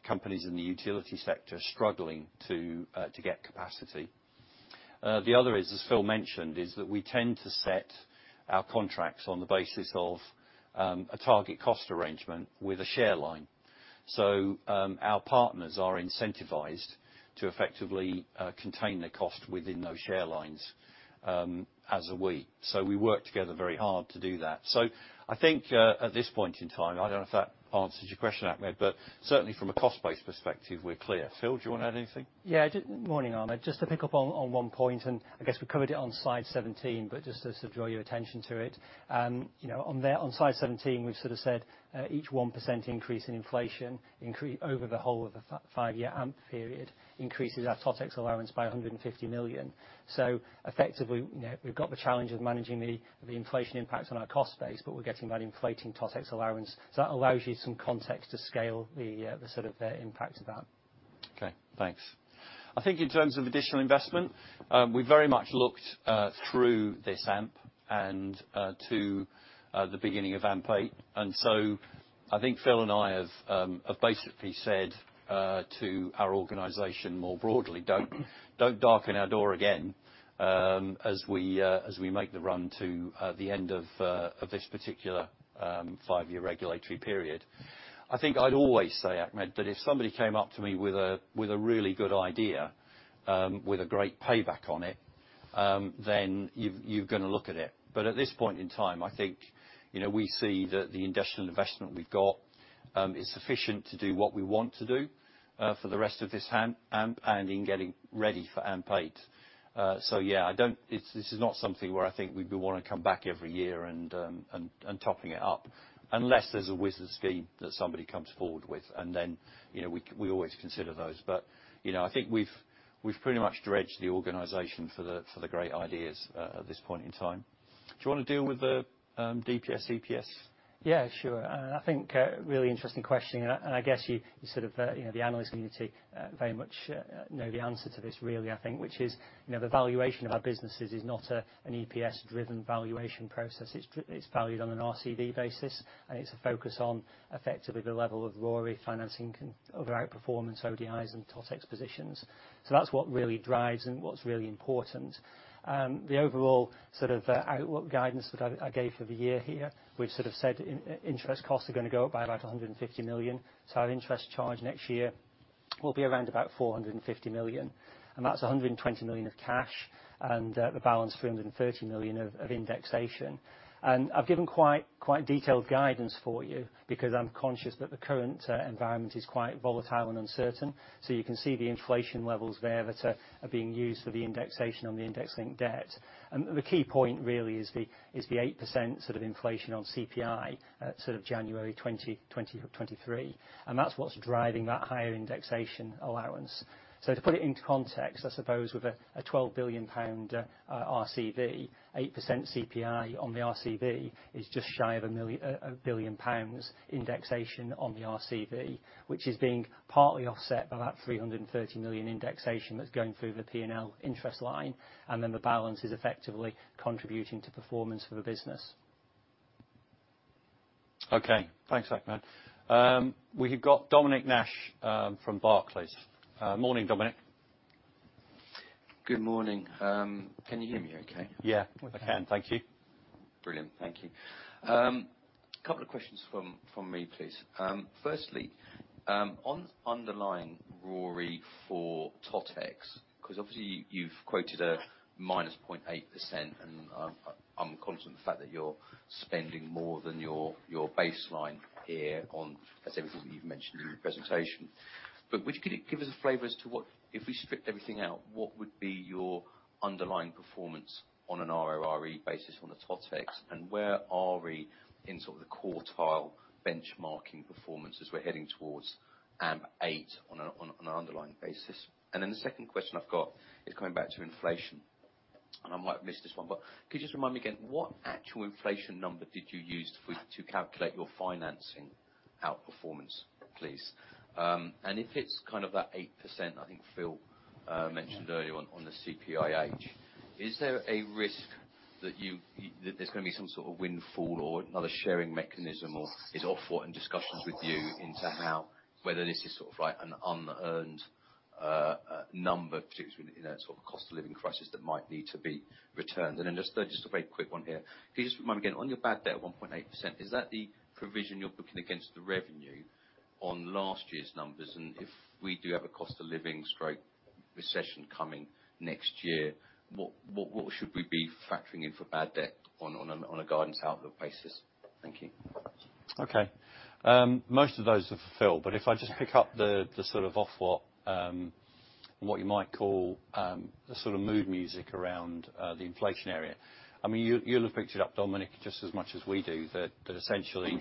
Speaker 2: companies in the utility sector struggling to get capacity. The other is, as Phil mentioned, that we tend to set our contracts on the basis of a target cost arrangement with a share line. Our partners are incentivized to effectively contain the cost within those share lines, as are we. We work together very hard to do that. I think at this point in time, I don't know if that answers your question, Ahmed, but certainly from a cost base perspective, we're clear. Phil, do you wanna add anything?
Speaker 3: Yeah. Morning, Ahmed. Just to pick up on one point, and I guess we covered it on slide 17, but just to sort of draw your attention to it. You know, on there, on slide 17, we've sort of said each 1% increase in inflation over the whole of a five-year AMP period increases our TotEx allowance by 150 million. Effectively, you know, we've got the challenge of managing the inflation impact on our cost base, but we're getting that inflating TotEx allowance, so that allows you some context to scale the sort of impact of that.
Speaker 2: Okay, thanks. I think in terms of additional investment, we very much looked through this AMP and to the beginning of AMP8. I think Phil and I have basically said to our organization more broadly, "Don't darken our door again," as we make the run to the end of this particular five-year regulatory period. I think I'd always say, Ahmed, that if somebody came up to me with a really good idea, with a great payback on it, then you're gonna look at it. At this point in time, I think, you know, we see that the industrial investment we've got is sufficient to do what we want to do for the rest of this AMP and in getting ready for AMP8. So yeah, I don't. This is not something where I think we'd be wanting to come back every year and topping it up, unless there's a wizard scheme that somebody comes forward with, and then, you know, we always consider those. You know, I think we've pretty much dredged the organization for the great ideas at this point in time. Do you wanna deal with the DPS, EPS?
Speaker 3: Yeah, sure. I think a really interesting question, and I guess you sort of, you know, the analyst community very much know the answer to this really, I think, which is, you know, the valuation of our businesses is not an EPS-driven valuation process. It's valued on an RCV basis, and it's a focus on effectively the level of RoRE financing of our performance ODIs and TotEx positions. That's what really drives and what's really important. The overall sort of guidance that I gave for the year here, we've sort of said interest costs are gonna go up by about 150 million. Our interest charge next year will be around about 450 million, and that's 120 million of cash, and the balance 330 million of indexation. I've given quite detailed guidance for you because I'm conscious that the current environment is quite volatile and uncertain, so you can see the inflation levels there that are being used for the indexation on the index-linked debt. The key point really is the 8% sort of inflation on CPI at sort of January 2023, and that's what's driving that higher indexation allowance. To put it into context, I suppose with a 12 billion pound RCV, 8% CPI on the RCV is just shy of 1 billion pounds indexation on the RCV, which is being partly offset by that 330 million indexation that's going through the P&L interest line, and then the balance is effectively contributing to performance for the business.
Speaker 2: Okay. Thanks, Ahmed. We have got Dominic Nash from Barclays. Morning, Dominic.
Speaker 8: Good morning. Can you hear me okay?
Speaker 2: Yeah.
Speaker 3: Yeah.
Speaker 2: I can, thank you.
Speaker 8: Brilliant. Thank you. Couple of questions from me, please. Firstly, on underlying RoRE for TotEx, 'cause obviously you've quoted a -0.8%, and I'm conscious of the fact that you're spending more than your baseline here on, as I think you've mentioned in your presentation. Could you give us a flavor as to what if we stripped everything out, what would be your underlying performance on an RoRE basis on the TotEx, and where are we in sort of the quartile benchmarking performance as we're heading towards AMP8 on an underlying basis? Then the second question I've got is coming back to inflation. I might have missed this one, but could you just remind me again, what actual inflation number did you use to calculate your financing outperformance, please? If it's kind of that 8% I think Phil mentioned earlier on the CPIH, is there a risk that you that there's gonna be some sort of windfall or another sharing mechanism or is Ofwat in discussions with you into how whether this is sort of like an unearned number, particularly, you know, sort of cost of living crisis that might need to be returned? Then just a very quick one here. Could you just remind me again, on your bad debt 1.8%, is that the provision you're booking against the revenue on last year's numbers? If we do have a cost of living/recession coming next year, what should we be factoring in for bad debt on a guidance outlook basis? Thank you.
Speaker 2: Okay. Most of those are for Phil. If I just pick up the sort of Ofwat, what you might call, the sort of mood music around the inflation area. I mean, you'll have picked it up, Dominic, just as much as we do that essentially,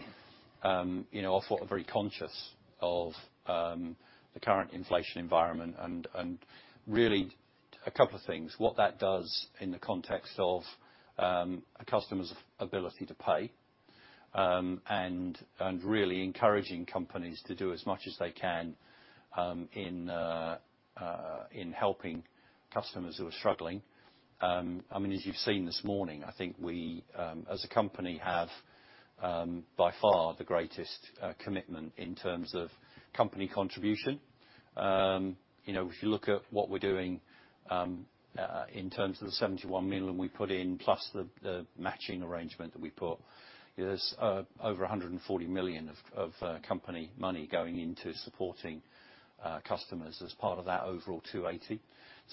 Speaker 2: you know, Ofwat are very conscious of the current inflation environment and really a couple of things, what that does in the context of a customer's ability to pay, and really encouraging companies to do as much as they can in helping customers who are struggling. I mean, as you've seen this morning, I think we as a company have by far the greatest commitment in terms of company contribution. You know, if you look at what we're doing, in terms of the 71 million we put in plus the matching arrangement that we put, there's over 140 million of company money going into supporting customers as part of that overall 280 million.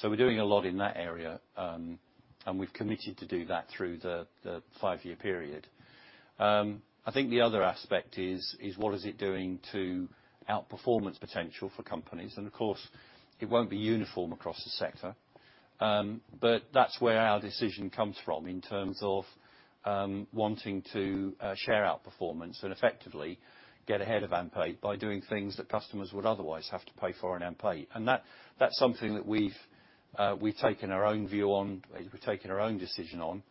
Speaker 2: We're doing a lot in that area, and we've committed to do that through the five-year period. I think the other aspect is, what is it doing to outperformance potential for companies? Of course, it won't be uniform across the sector. That's where our decision comes from in terms of wanting to share outperformance and effectively get ahead of AMP8 by doing things that customers would otherwise have to pay for in AMP8. That's something that we've taken our own view on, we've taken our own decision on.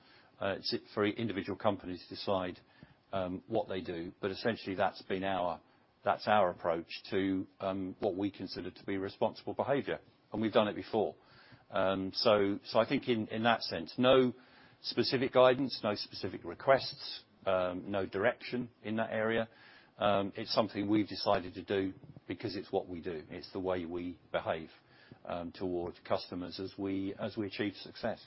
Speaker 2: It's for individual companies to decide what they do. Essentially, that's our approach to what we consider to be responsible behavior, and we've done it before. I think in that sense, no specific guidance, no specific requests, no direction in that area. It's something we've decided to do because it's what we do. It's the way we behave towards customers as we achieve success.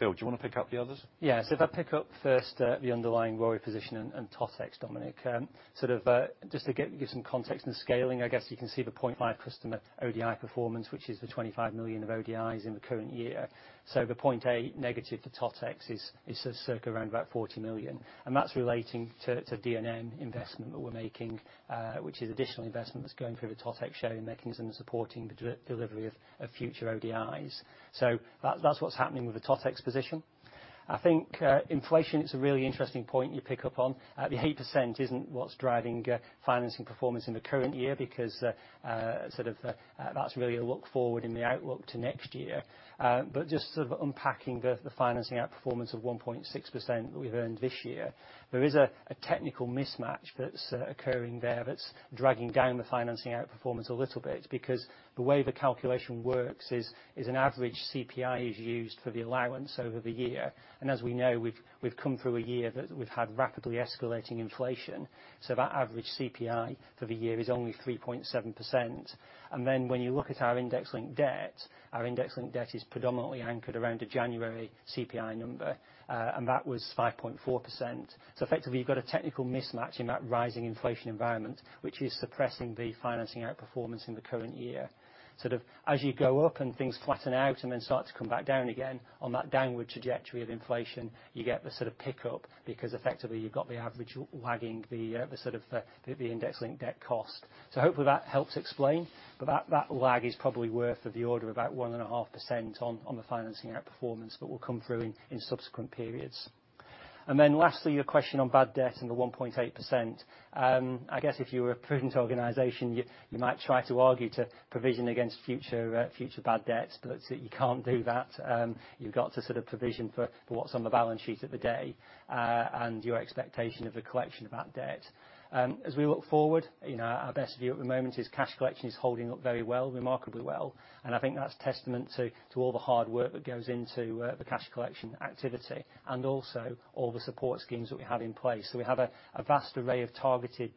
Speaker 2: Phil, do you wanna pick up the others?
Speaker 3: Yeah. If I pick up first, the underlying RoRE position and TotEx, Dominic, sort of, just to give some context on the scaling, I guess you can see the 0.5% customer ODI performance, which is the 25 million of ODIs in the current year. The -0.8% to TotEx is sort of circles around about 40 million, and that's relating to DNM investment that we're making, which is additional investment that's going through the TotEx sharing mechanism and supporting the delivery of future ODIs. That's what's happening with the TotEx position. I think inflation, it's a really interesting point you pick up on. The 8% isn't what's driving financing performance in the current year because sort of, that's really a look forward in the outlook to next year. Just sort of unpacking the financing outperformance of 1.6% that we've earned this year, there is a technical mismatch that's occurring there that's dragging down the financing outperformance a little bit because the way the calculation works is an average CPI is used for the allowance over the year, and as we know, we've come through a year that we've had rapidly escalating inflation, so that average CPI for the year is only 3.7%. Then when you look at our index linked debt, our index linked debt is predominantly anchored around a January CPI number, and that was 5.4%. Effectively, you've got a technical mismatch in that rising inflation environment, which is suppressing the financing outperformance in the current year. Sort of as you go up and things flatten out and then start to come back down again on that downward trajectory of inflation, you get the sort of pickup because effectively you've got the average lagging the sort of the index linked debt cost. Hopefully that helps explain. That lag is probably worth of the order about 1.5% on the financing outperformance that will come through in subsequent periods. Lastly, your question on bad debt and the 1.8%. I guess if you were a prudent organization, you might try to argue to provision against future bad debts, but you can't do that. You've got to sort of provision for what's on the balance sheet of the day, and your expectation of the collection of that debt. As we look forward, you know, our best view at the moment is cash collection is holding up very well, remarkably well, and I think that's testament to all the hard work that goes into the cash collection activity and also all the support schemes that we have in place. We have a vast array of targeted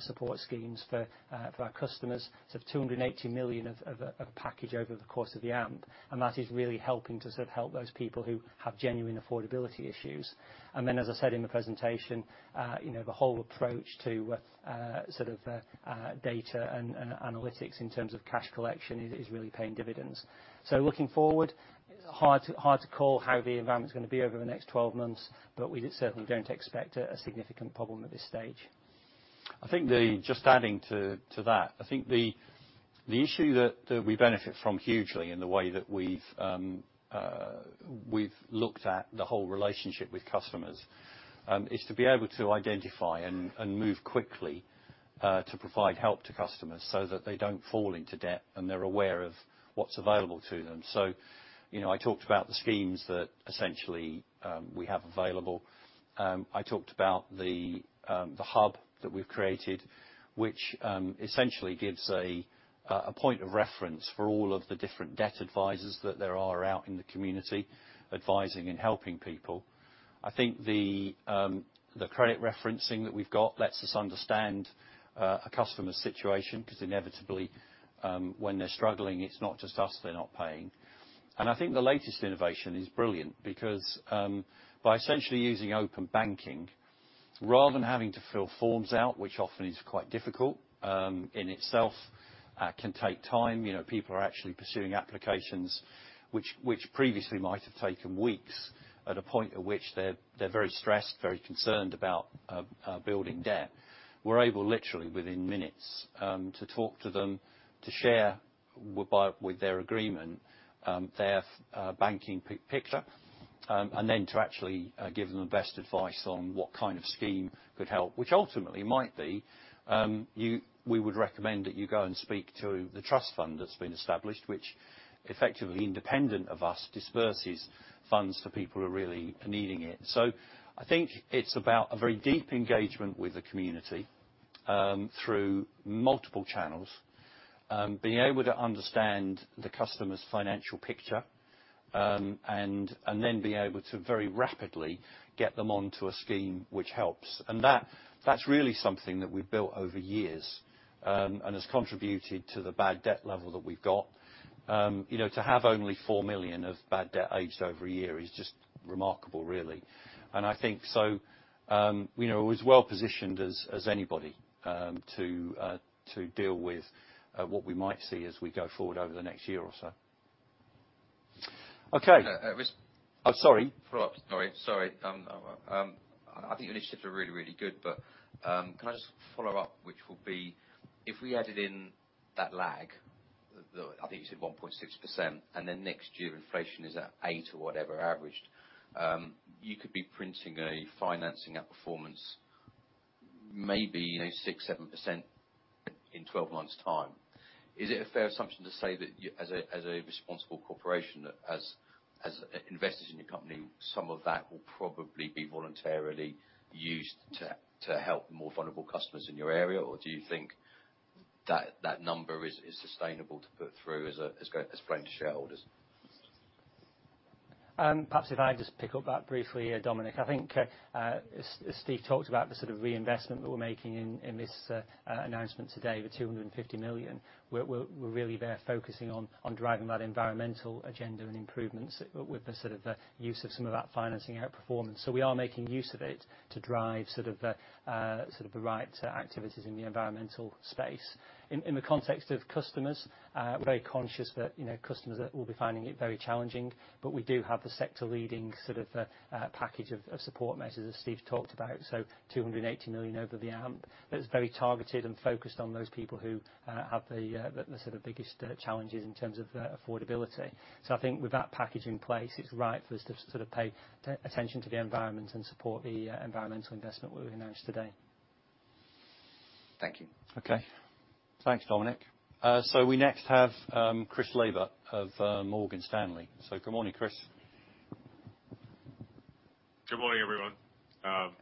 Speaker 3: support schemes for our customers. Sort of 280 million of a package over the course of the AMP, and that is really helping to sort of help those people who have genuine affordability issues. As I said in the presentation, you know, the whole approach to sort of data and analytics in terms of cash collection is really paying dividends. Looking forward, hard to call how the environment's gonna be over the next 12 months, but we certainly don't expect a significant problem at this stage.
Speaker 2: Just adding to that, I think the issue that we benefit from hugely in the way that we've looked at the whole relationship with customers is to be able to identify and move quickly to provide help to customers so that they don't fall into debt and they're aware of what's available to them. You know, I talked about the schemes that essentially we have available. I talked about the hub that we've created, which essentially gives a point of reference for all of the different debt advisors that there are out in the community advising and helping people. I think the credit referencing that we've got lets us understand a customer's situation, 'cause inevitably when they're struggling, it's not just us they're not paying. I think the latest innovation is brilliant because by essentially using open banking, rather than having to fill forms out, which often is quite difficult in itself, can take time. You know, people are actually pursuing applications which previously might have taken weeks at a point at which they're very stressed, very concerned about building debt. We're able literally within minutes to talk to them, to share with their agreement their banking picture, and then to actually give them the best advice on what kind of scheme could help, which ultimately might be we would recommend that you go and speak to the trust fund that's been established, which effectively independent of us disperses funds for people who are really needing it. I think it's about a very deep engagement with the community, through multiple channels, being able to understand the customer's financial picture, and then being able to very rapidly get them onto a scheme which helps. That's really something that we've built over years, and has contributed to the bad debt level that we've got. You know, to have only 4 million of bad debt aged over a year is just remarkable really. I think so, you know, as well-positioned as anybody to deal with what we might see as we go forward over the next year or so. Okay.
Speaker 8: Uh, uh, Ris-
Speaker 2: I'm sorry.
Speaker 8: Follow-up. Sorry. I think the initiatives are really, really good, but, can I just follow up, which will be if we added in that lag, I think you said 1.6%, and then next year inflation is at 8% or whatever averaged, you could be printing a financing outperformance maybe, you know, 6%-7% in 12 months' time. Is it a fair assumption to say that as a responsible corporation, as invested in your company, some of that will probably be voluntarily used to help the more vulnerable customers in your area? Or do you think that number is sustainable to put through as planned to shareholders?
Speaker 3: Perhaps if I just pick up that briefly, Dominic. I think, as Steve talked about the sort of reinvestment that we're making in this announcement today, the 250 million. We're really there focusing on driving that environmental agenda and improvements with the sort of the use of some of that financing outperformance. We are making use of it to drive sort of the right activities in the environmental space. In the context of customers, we're very conscious that, you know, customers will be finding it very challenging, but we do have the sector leading sort of package of support measures as Steve talked about. 280 million over the AMP that's very targeted and focused on those people who have the sort of biggest challenges in terms of affordability. I think with that package in place, it's right for us to sort of pay attention to the environment and support the environmental investment we announced today.
Speaker 8: Thank you.
Speaker 2: Okay. Thanks, Dominic. We next have Chris Laybutt of Morgan Stanley. Good morning, Chris.
Speaker 9: Good morning, everyone.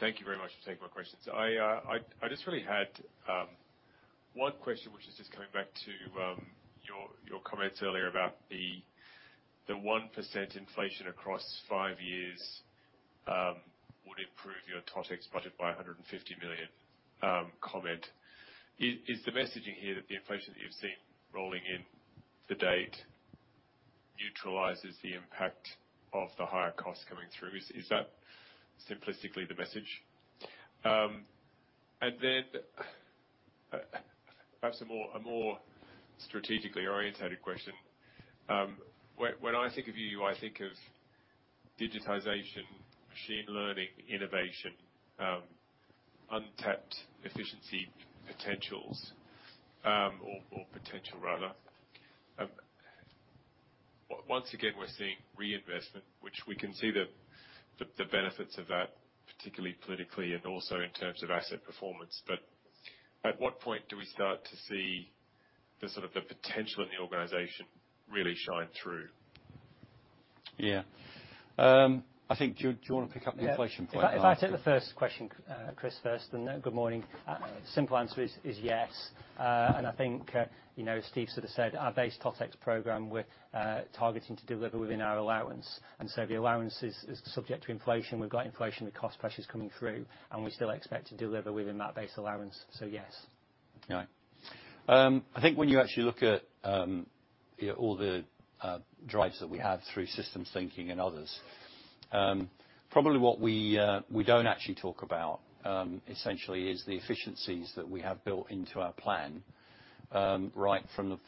Speaker 9: Thank you very much for taking my questions. I just really had one question, which is just coming back to your comments earlier about the 1% inflation across five years would improve your TotEx budget by 150 million comment. Is the messaging here that the inflation that you've seen rolling in to date neutralizes the impact of the higher costs coming through? Is that simplistically the message? Perhaps a more strategically-oriented question. When I think of you, I think of digitization, machine learning, innovation, untapped efficiency potentials, or potential rather. Once again, we're seeing reinvestment, which we can see the benefits of that, particularly politically and also in terms of asset performance. At what point do we start to see the sort of the potential in the organization really shine through?
Speaker 2: I think. Do you wanna pick up the inflation point first?
Speaker 3: Yeah. If I take the first question, Chris first, and good morning. Simple answer is yes. I think, you know, as Steve sort of said, our base TotEx program, we're targeting to deliver within our allowance. The allowance is subject to inflation. We've got inflation with cost pressures coming through, and we still expect to deliver within that base allowance. Yes.
Speaker 2: Yeah. I think when you actually look at, you know, all the drives that we have through systems thinking and others, probably what we don't actually talk about essentially is the efficiencies that we have built into our plan, right from the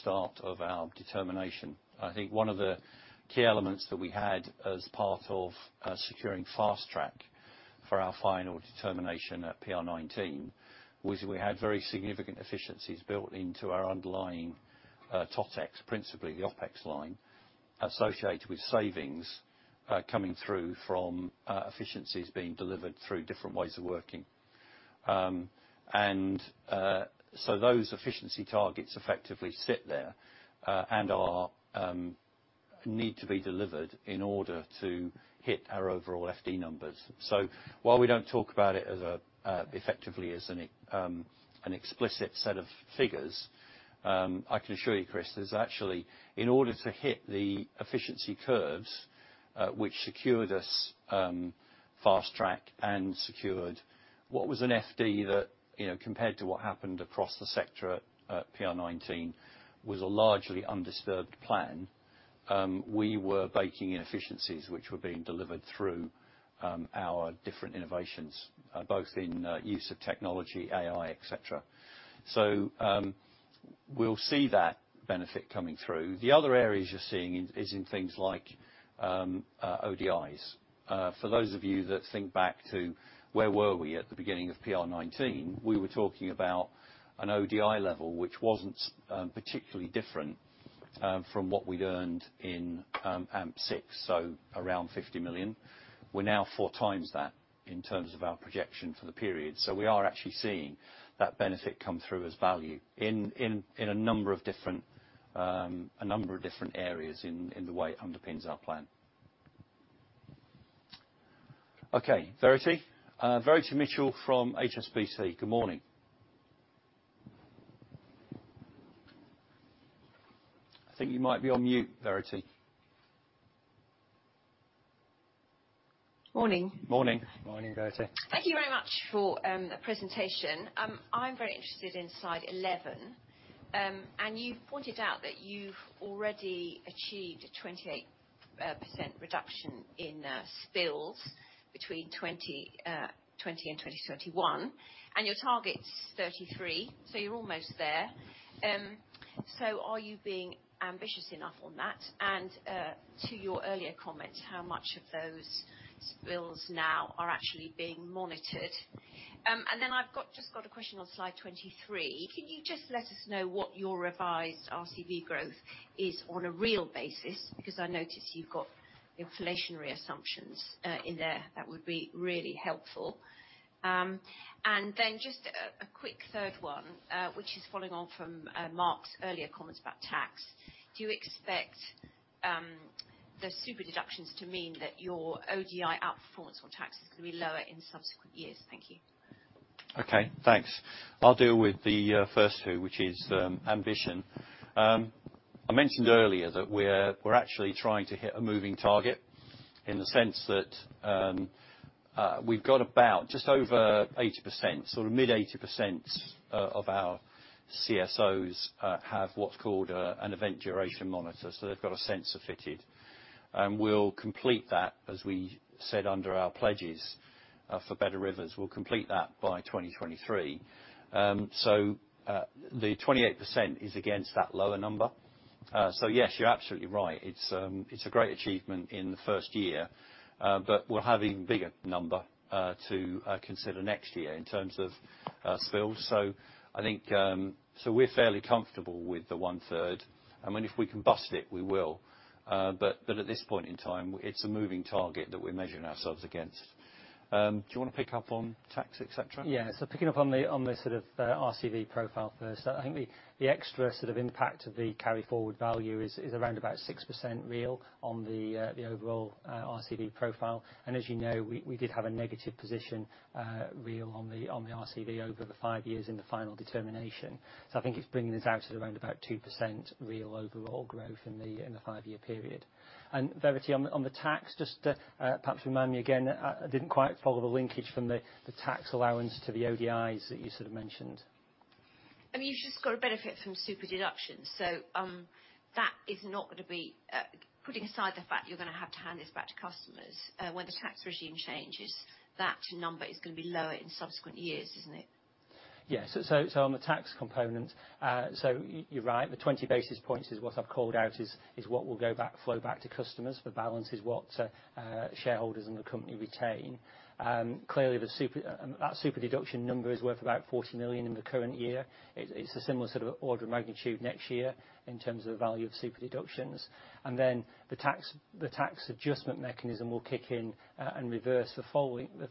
Speaker 2: start of our determination. I think one of the key elements that we had as part of securing fast-track for our final determination at PR19 was we had very significant efficiencies built into our underlying TotEx, principally the OpEx line, associated with savings coming through from efficiencies being delivered through different ways of working. Those efficiency targets effectively sit there and need to be delivered in order to hit our overall FD numbers. While we don't talk about it as, effectively, an explicit set of figures, I can assure you, Chris, there's actually in order to hit the efficiency curves, which secured us fast-track and secured what was an FD that, you know, compared to what happened across the sector at PR19 was a largely undisturbed plan. We were baking in efficiencies which were being delivered through our different innovations, both in use of technology, AI, et cetera. We'll see that benefit coming through. The other areas you're seeing is in things like ODIs. For those of you that think back to where were we at the beginning of PR19, we were talking about an ODI level, which wasn't particularly different from what we'd earned in AMP6, so around 50 million. We're now 4 times that in terms of our projection for the period. We are actually seeing that benefit come through as value in a number of different areas in the way it underpins our plan. Okay. Verity? Verity Mitchell from HSBC. Good morning. I think you might be on mute, Verity.
Speaker 10: Morning.
Speaker 2: Morning.
Speaker 3: Morning, Verity.
Speaker 10: Thank you very much for the presentation. I'm very interested in slide 11. You've pointed out that you've already achieved a 28% reduction in spills between 2020 and 2031, and your target's 33, so you're almost there. Are you being ambitious enough on that? To your earlier comment, how much of those spills now are actually being monitored? I've got a question on slide 23. Can you just let us know what your revised RCV growth is on a real basis? Because I notice you've got inflationary assumptions in there. That would be really helpful. Just a quick third one, which is following on from Mark's earlier comments about tax. Do you expect the super deductions to mean that your ODI outperformance on tax is gonna be lower in subsequent years? Thank you.
Speaker 2: Okay, thanks. I'll deal with the first two, which is ambition. I mentioned earlier that we're actually trying to hit a moving target in the sense that we've got about just over 80%, sort of mid-80%, of our CSOs have what's called an event duration monitor. They've got a sensor fitted. We'll complete that, as we said under our pledges for Better Rivers, we'll complete that by 2023. The 28% is against that lower number. Yes, you're absolutely right. It's a great achievement in the first year, but we'll have even bigger number to consider next year in terms of spills. I think we're fairly comfortable with the one-third, and if we can bust it, we will. At this point in time, it's a moving target that we're measuring ourselves against. Do you wanna pick up on tax, et cetera?
Speaker 3: Yeah. Picking up on the sort of RCV profile first, I think the extra sort of impact of the carry forward value is around about 6% real on the overall RCV profile. As you know, we did have a negative position real on the RCV over the five years in the final determination. I think it's bringing us out at around about 2% real overall growth in the five-year period. Verity, on the tax, just perhaps remind me again. I didn't quite follow the linkage from the tax allowance to the ODIs that you sort of mentioned.
Speaker 10: I mean, you've just got a benefit from super-deductions. That is not gonna be putting aside the fact you're gonna have to hand this back to customers, when the tax regime changes, that number is gonna be lower in subsequent years, isn't it?
Speaker 3: Yeah. On the tax component, you're right. The 20 basis points is what I've called out is what will flow back to customers. The balance is what shareholders and the company retain. Clearly the super-deduction number is worth about 40 million in the current year. It's a similar sort of order of magnitude next year in terms of the value of super-deductions. The tax adjustment mechanism will kick in and reverse the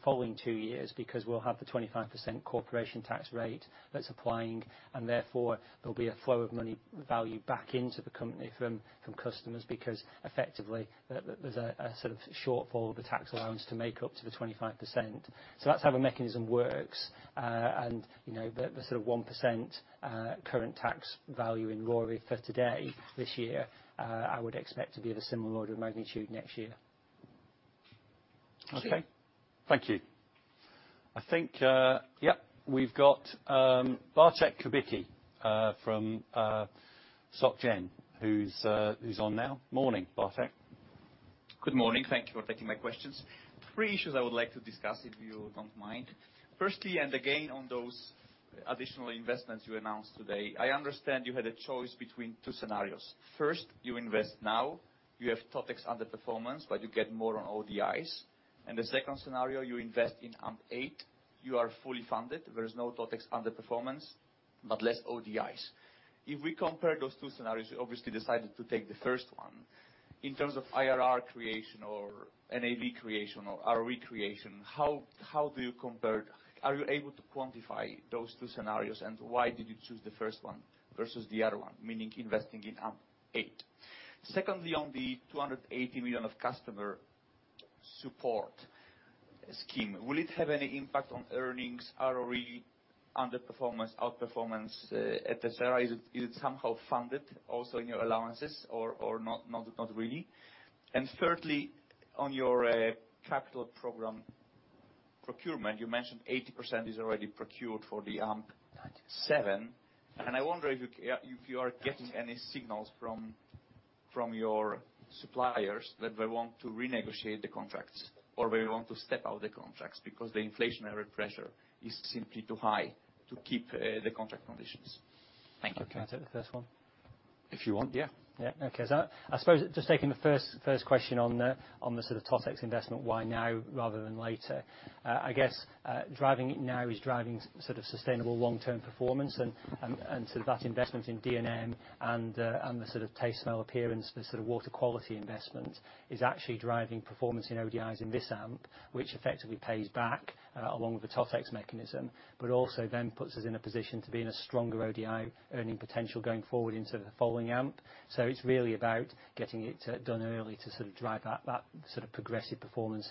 Speaker 3: following two years because we'll have the 25% corporation tax rate that's applying, and therefore there'll be a flow of money value back into the company from customers because effectively there's a sort of shortfall of the tax allowance to make up to the 25%. That's how the mechanism works. You know, the sort of 1% current K value in the RPI for today, this year, I would expect to be of a similar order of magnitude next year.
Speaker 10: Sure.
Speaker 2: Okay. Thank you. I think, yep, we've got Bartek Kubicki from Société Générale, who's on now. Morning, Bartek.
Speaker 11: Good morning. Thank you for taking my questions. Three issues I would like to discuss if you don't mind. Firstly, again on those additional investments you announced today, I understand you had a choice between two scenarios. First, you invest now, you have TotEx underperformance, but you get more on ODIs. The second scenario, you invest in AMP8, you are fully funded, there is no TotEx underperformance, but less ODIs. If we compare those two scenarios, you obviously decided to take the first one. In terms of IRR creation or NAV creation or ROE creation, how do you compare, are you able to quantify those two scenarios, and why did you choose the first one versus the other one, meaning investing in AMP8? Secondly, on the 280 million of customer support scheme, will it have any impact on earnings, ROE, underperformance, outperformance, et cetera? Is it somehow funded also in your allowances or not really? Thirdly, on your capital program procurement, you mentioned 80% is already procured for the AMP7. I wonder if you are getting any signals from your suppliers that they want to renegotiate the contracts or they want to step out the contracts because the inflationary pressure is simply too high to keep the contract conditions. Thank you.
Speaker 3: Can I take the first one?
Speaker 2: If you want, yeah.
Speaker 3: Yeah. Okay. I suppose just taking the first question on the sort of TotEx investment, why now rather than later? I guess, driving it now is driving sort of sustainable long-term performance and so that investment in DNM and the sort of taste, smell, appearance, the sort of water quality investment is actually driving performance in ODIs in this AMP, which effectively pays back along with the TotEx mechanism, but also then puts us in a position to be in a stronger ODI earning potential going forward into the following AMP. It's really about getting it done early to sort of drive that sort of progressive performance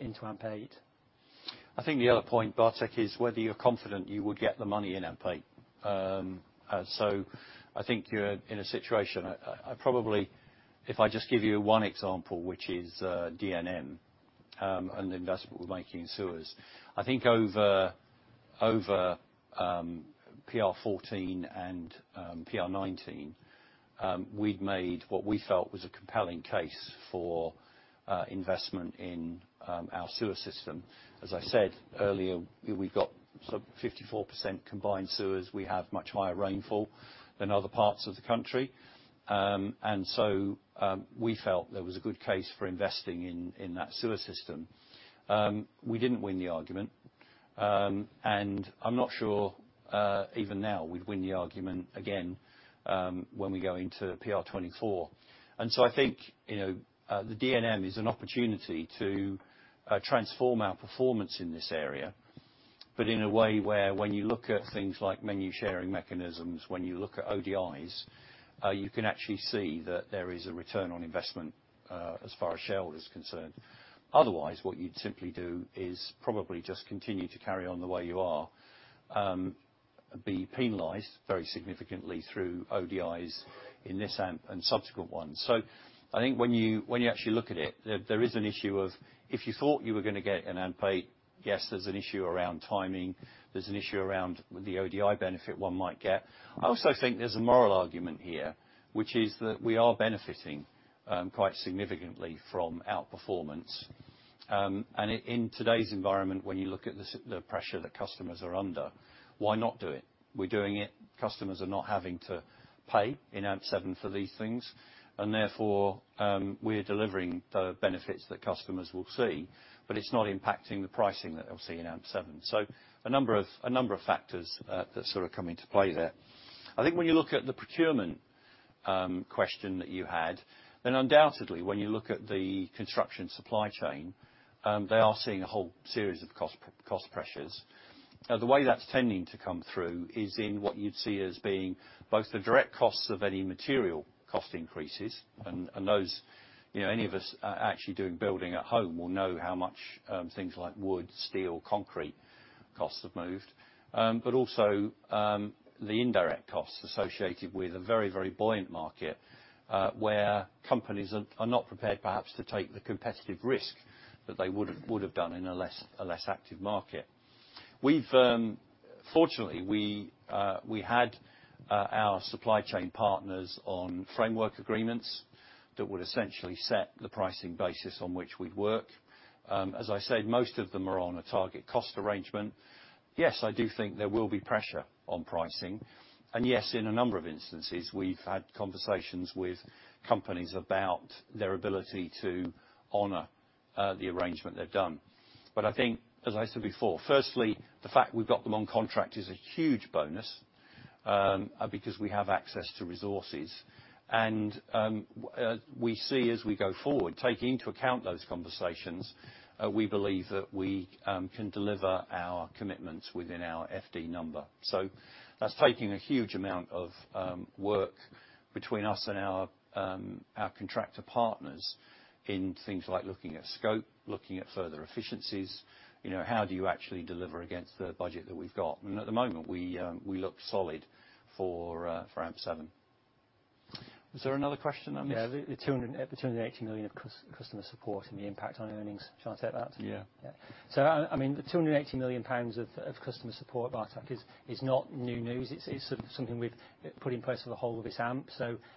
Speaker 3: into AMP8.
Speaker 2: I think the other point, Bartek, is whether you're confident you would get the money in AMP8. I think you're in a situation. I probably, if I just give you one example, which is DNM, an investment we're making in sewers. I think over PR14 and PR19, we'd made what we felt was a compelling case for investment in our sewer system. As I said earlier, we've got some 54% combined sewers. We have much higher rainfall than other parts of the country. We felt there was a good case for investing in that sewer system. We didn't win the argument. I'm not sure even now we'd win the argument again when we go into PR24. I think, you know, the DNM is an opportunity to transform our performance in this area, but in a way where when you look at things like menu sharing mechanisms, when you look at ODIs, you can actually see that there is a return on investment, as far as shareholder is concerned. Otherwise, what you'd simply do is probably just continue to carry on the way you are, be penalized very significantly through ODIs in this AMP and subsequent ones. I think when you actually look at it, there is an issue of if you thought you were gonna get an AMP8, yes, there's an issue around timing, there's an issue around the ODI benefit one might get. I also think there's a moral argument here, which is that we are benefiting, quite significantly from outperformance. In today's environment, when you look at the pressure that customers are under, why not do it? We're doing it. Customers are not having to pay in AMP7 for these things, and therefore, we're delivering the benefits that customers will see, but it's not impacting the pricing that they'll see in AMP7. A number of factors that sort of come into play there. I think when you look at the procurement question that you had, then undoubtedly when you look at the construction supply chain, they are seeing a whole series of cost pressures. The way that's tending to come through is in what you'd see as being both the direct costs of any material cost increases and those, you know, any of us actually doing building at home will know how much things like wood, steel, concrete costs have moved. Also the indirect costs associated with a very buoyant market where companies are not prepared perhaps to take the competitive risk that they would've done in a less active market. Fortunately, we had our supply chain partners on framework agreements that would essentially set the pricing basis on which we'd work. As I said, most of them are on a target cost arrangement. Yes, I do think there will be pressure on pricing, and yes, in a number of instances, we've had conversations with companies about their ability to honor the arrangement they've done. I think, as I said before, firstly, the fact we've got them on contract is a huge bonus, because we have access to resources, and we see as we go forward, taking into account those conversations, we believe that we can deliver our commitments within our FD number. That's taking a huge amount of work between us and our contractor partners in things like looking at scope, looking at further efficiencies. You know, how do you actually deliver against the budget that we've got? At the moment, we look solid for AMP7. Was there another question I missed?
Speaker 3: Yeah, the 280 million of customer support and the impact on earnings. Shall I take that?
Speaker 2: Yeah.
Speaker 3: Yeah. I mean, the 280 million pounds of customer support, Bartek, is not new news. It's something we've put in place for the whole of this AMP.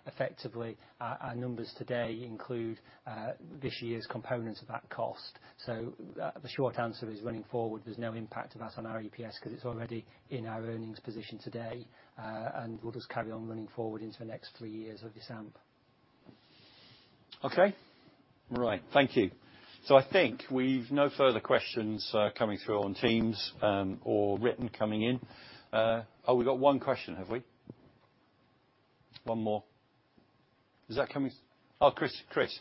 Speaker 3: Effectively, our numbers today include this year's components of that cost. The short answer is running forward, there's no impact of us on our EPS 'cause it's already in our earnings position today. We'll just carry on running forward into the next three years of this AMP.
Speaker 2: Okay. All right. Thank you. I think we've no further questions, coming through on Teams, or written coming in. Oh, we've got one question, have we? One more. Is that coming? Oh, Chris. Chris.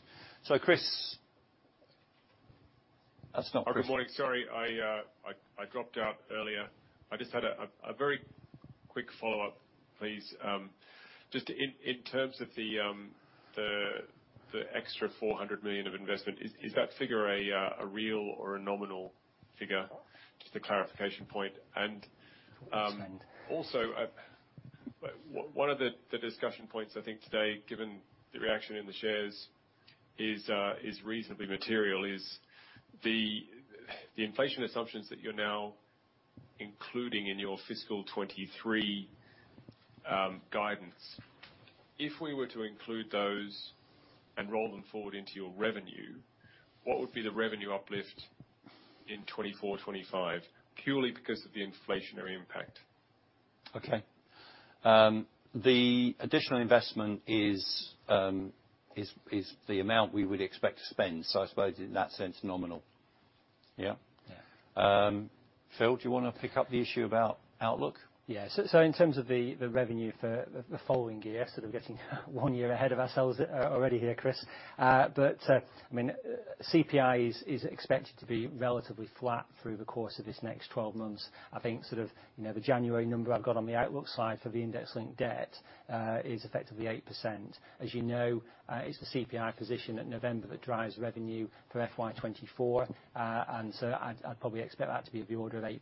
Speaker 2: That's not Chris.
Speaker 9: Good morning. Sorry, I dropped out earlier. I just had a very quick follow-up, please. Just in terms of the extra 400 million of investment, is that figure a real or a nominal figure? Just a clarification point. One of the discussion points I think today, given the reaction in the shares is reasonably material is the inflation assumptions that you're now including in your fiscal 2023 guidance. If we were to include those and roll them forward into your revenue, what would be the revenue uplift in 2024, 2025 purely because of the inflationary impact?
Speaker 2: Okay. The additional investment is the amount we would expect to spend. I suppose in that sense, nominal. Yeah?
Speaker 9: Yeah.
Speaker 2: Phil, do you wanna pick up the issue about outlook?
Speaker 3: In terms of the revenue for the following year, sort of getting one year ahead of ourselves, already here, Chris. I mean, CPI is expected to be relatively flat through the course of this next 12 months. I think sort of, you know, the January number I've got on the outlook slide for the index-linked debt is effectively 8%. As you know, it's the CPI position at November that drives revenue for FY 2024. I'd probably expect that to be of the order of 8%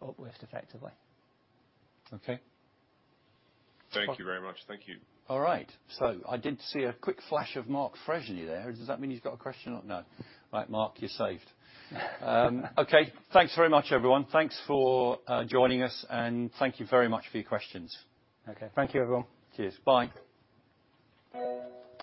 Speaker 3: uplift effectively.
Speaker 2: Okay.
Speaker 9: Thank you very much. Thank you.
Speaker 2: All right. I did see a quick flash of Mark Freshney there. Does that mean he's got a question or no? Right, Mark, you're saved. Okay. Thanks very much, everyone. Thanks for joining us, and thank you very much for your questions.
Speaker 3: Okay. Thank you, everyone.
Speaker 2: Cheers. Bye.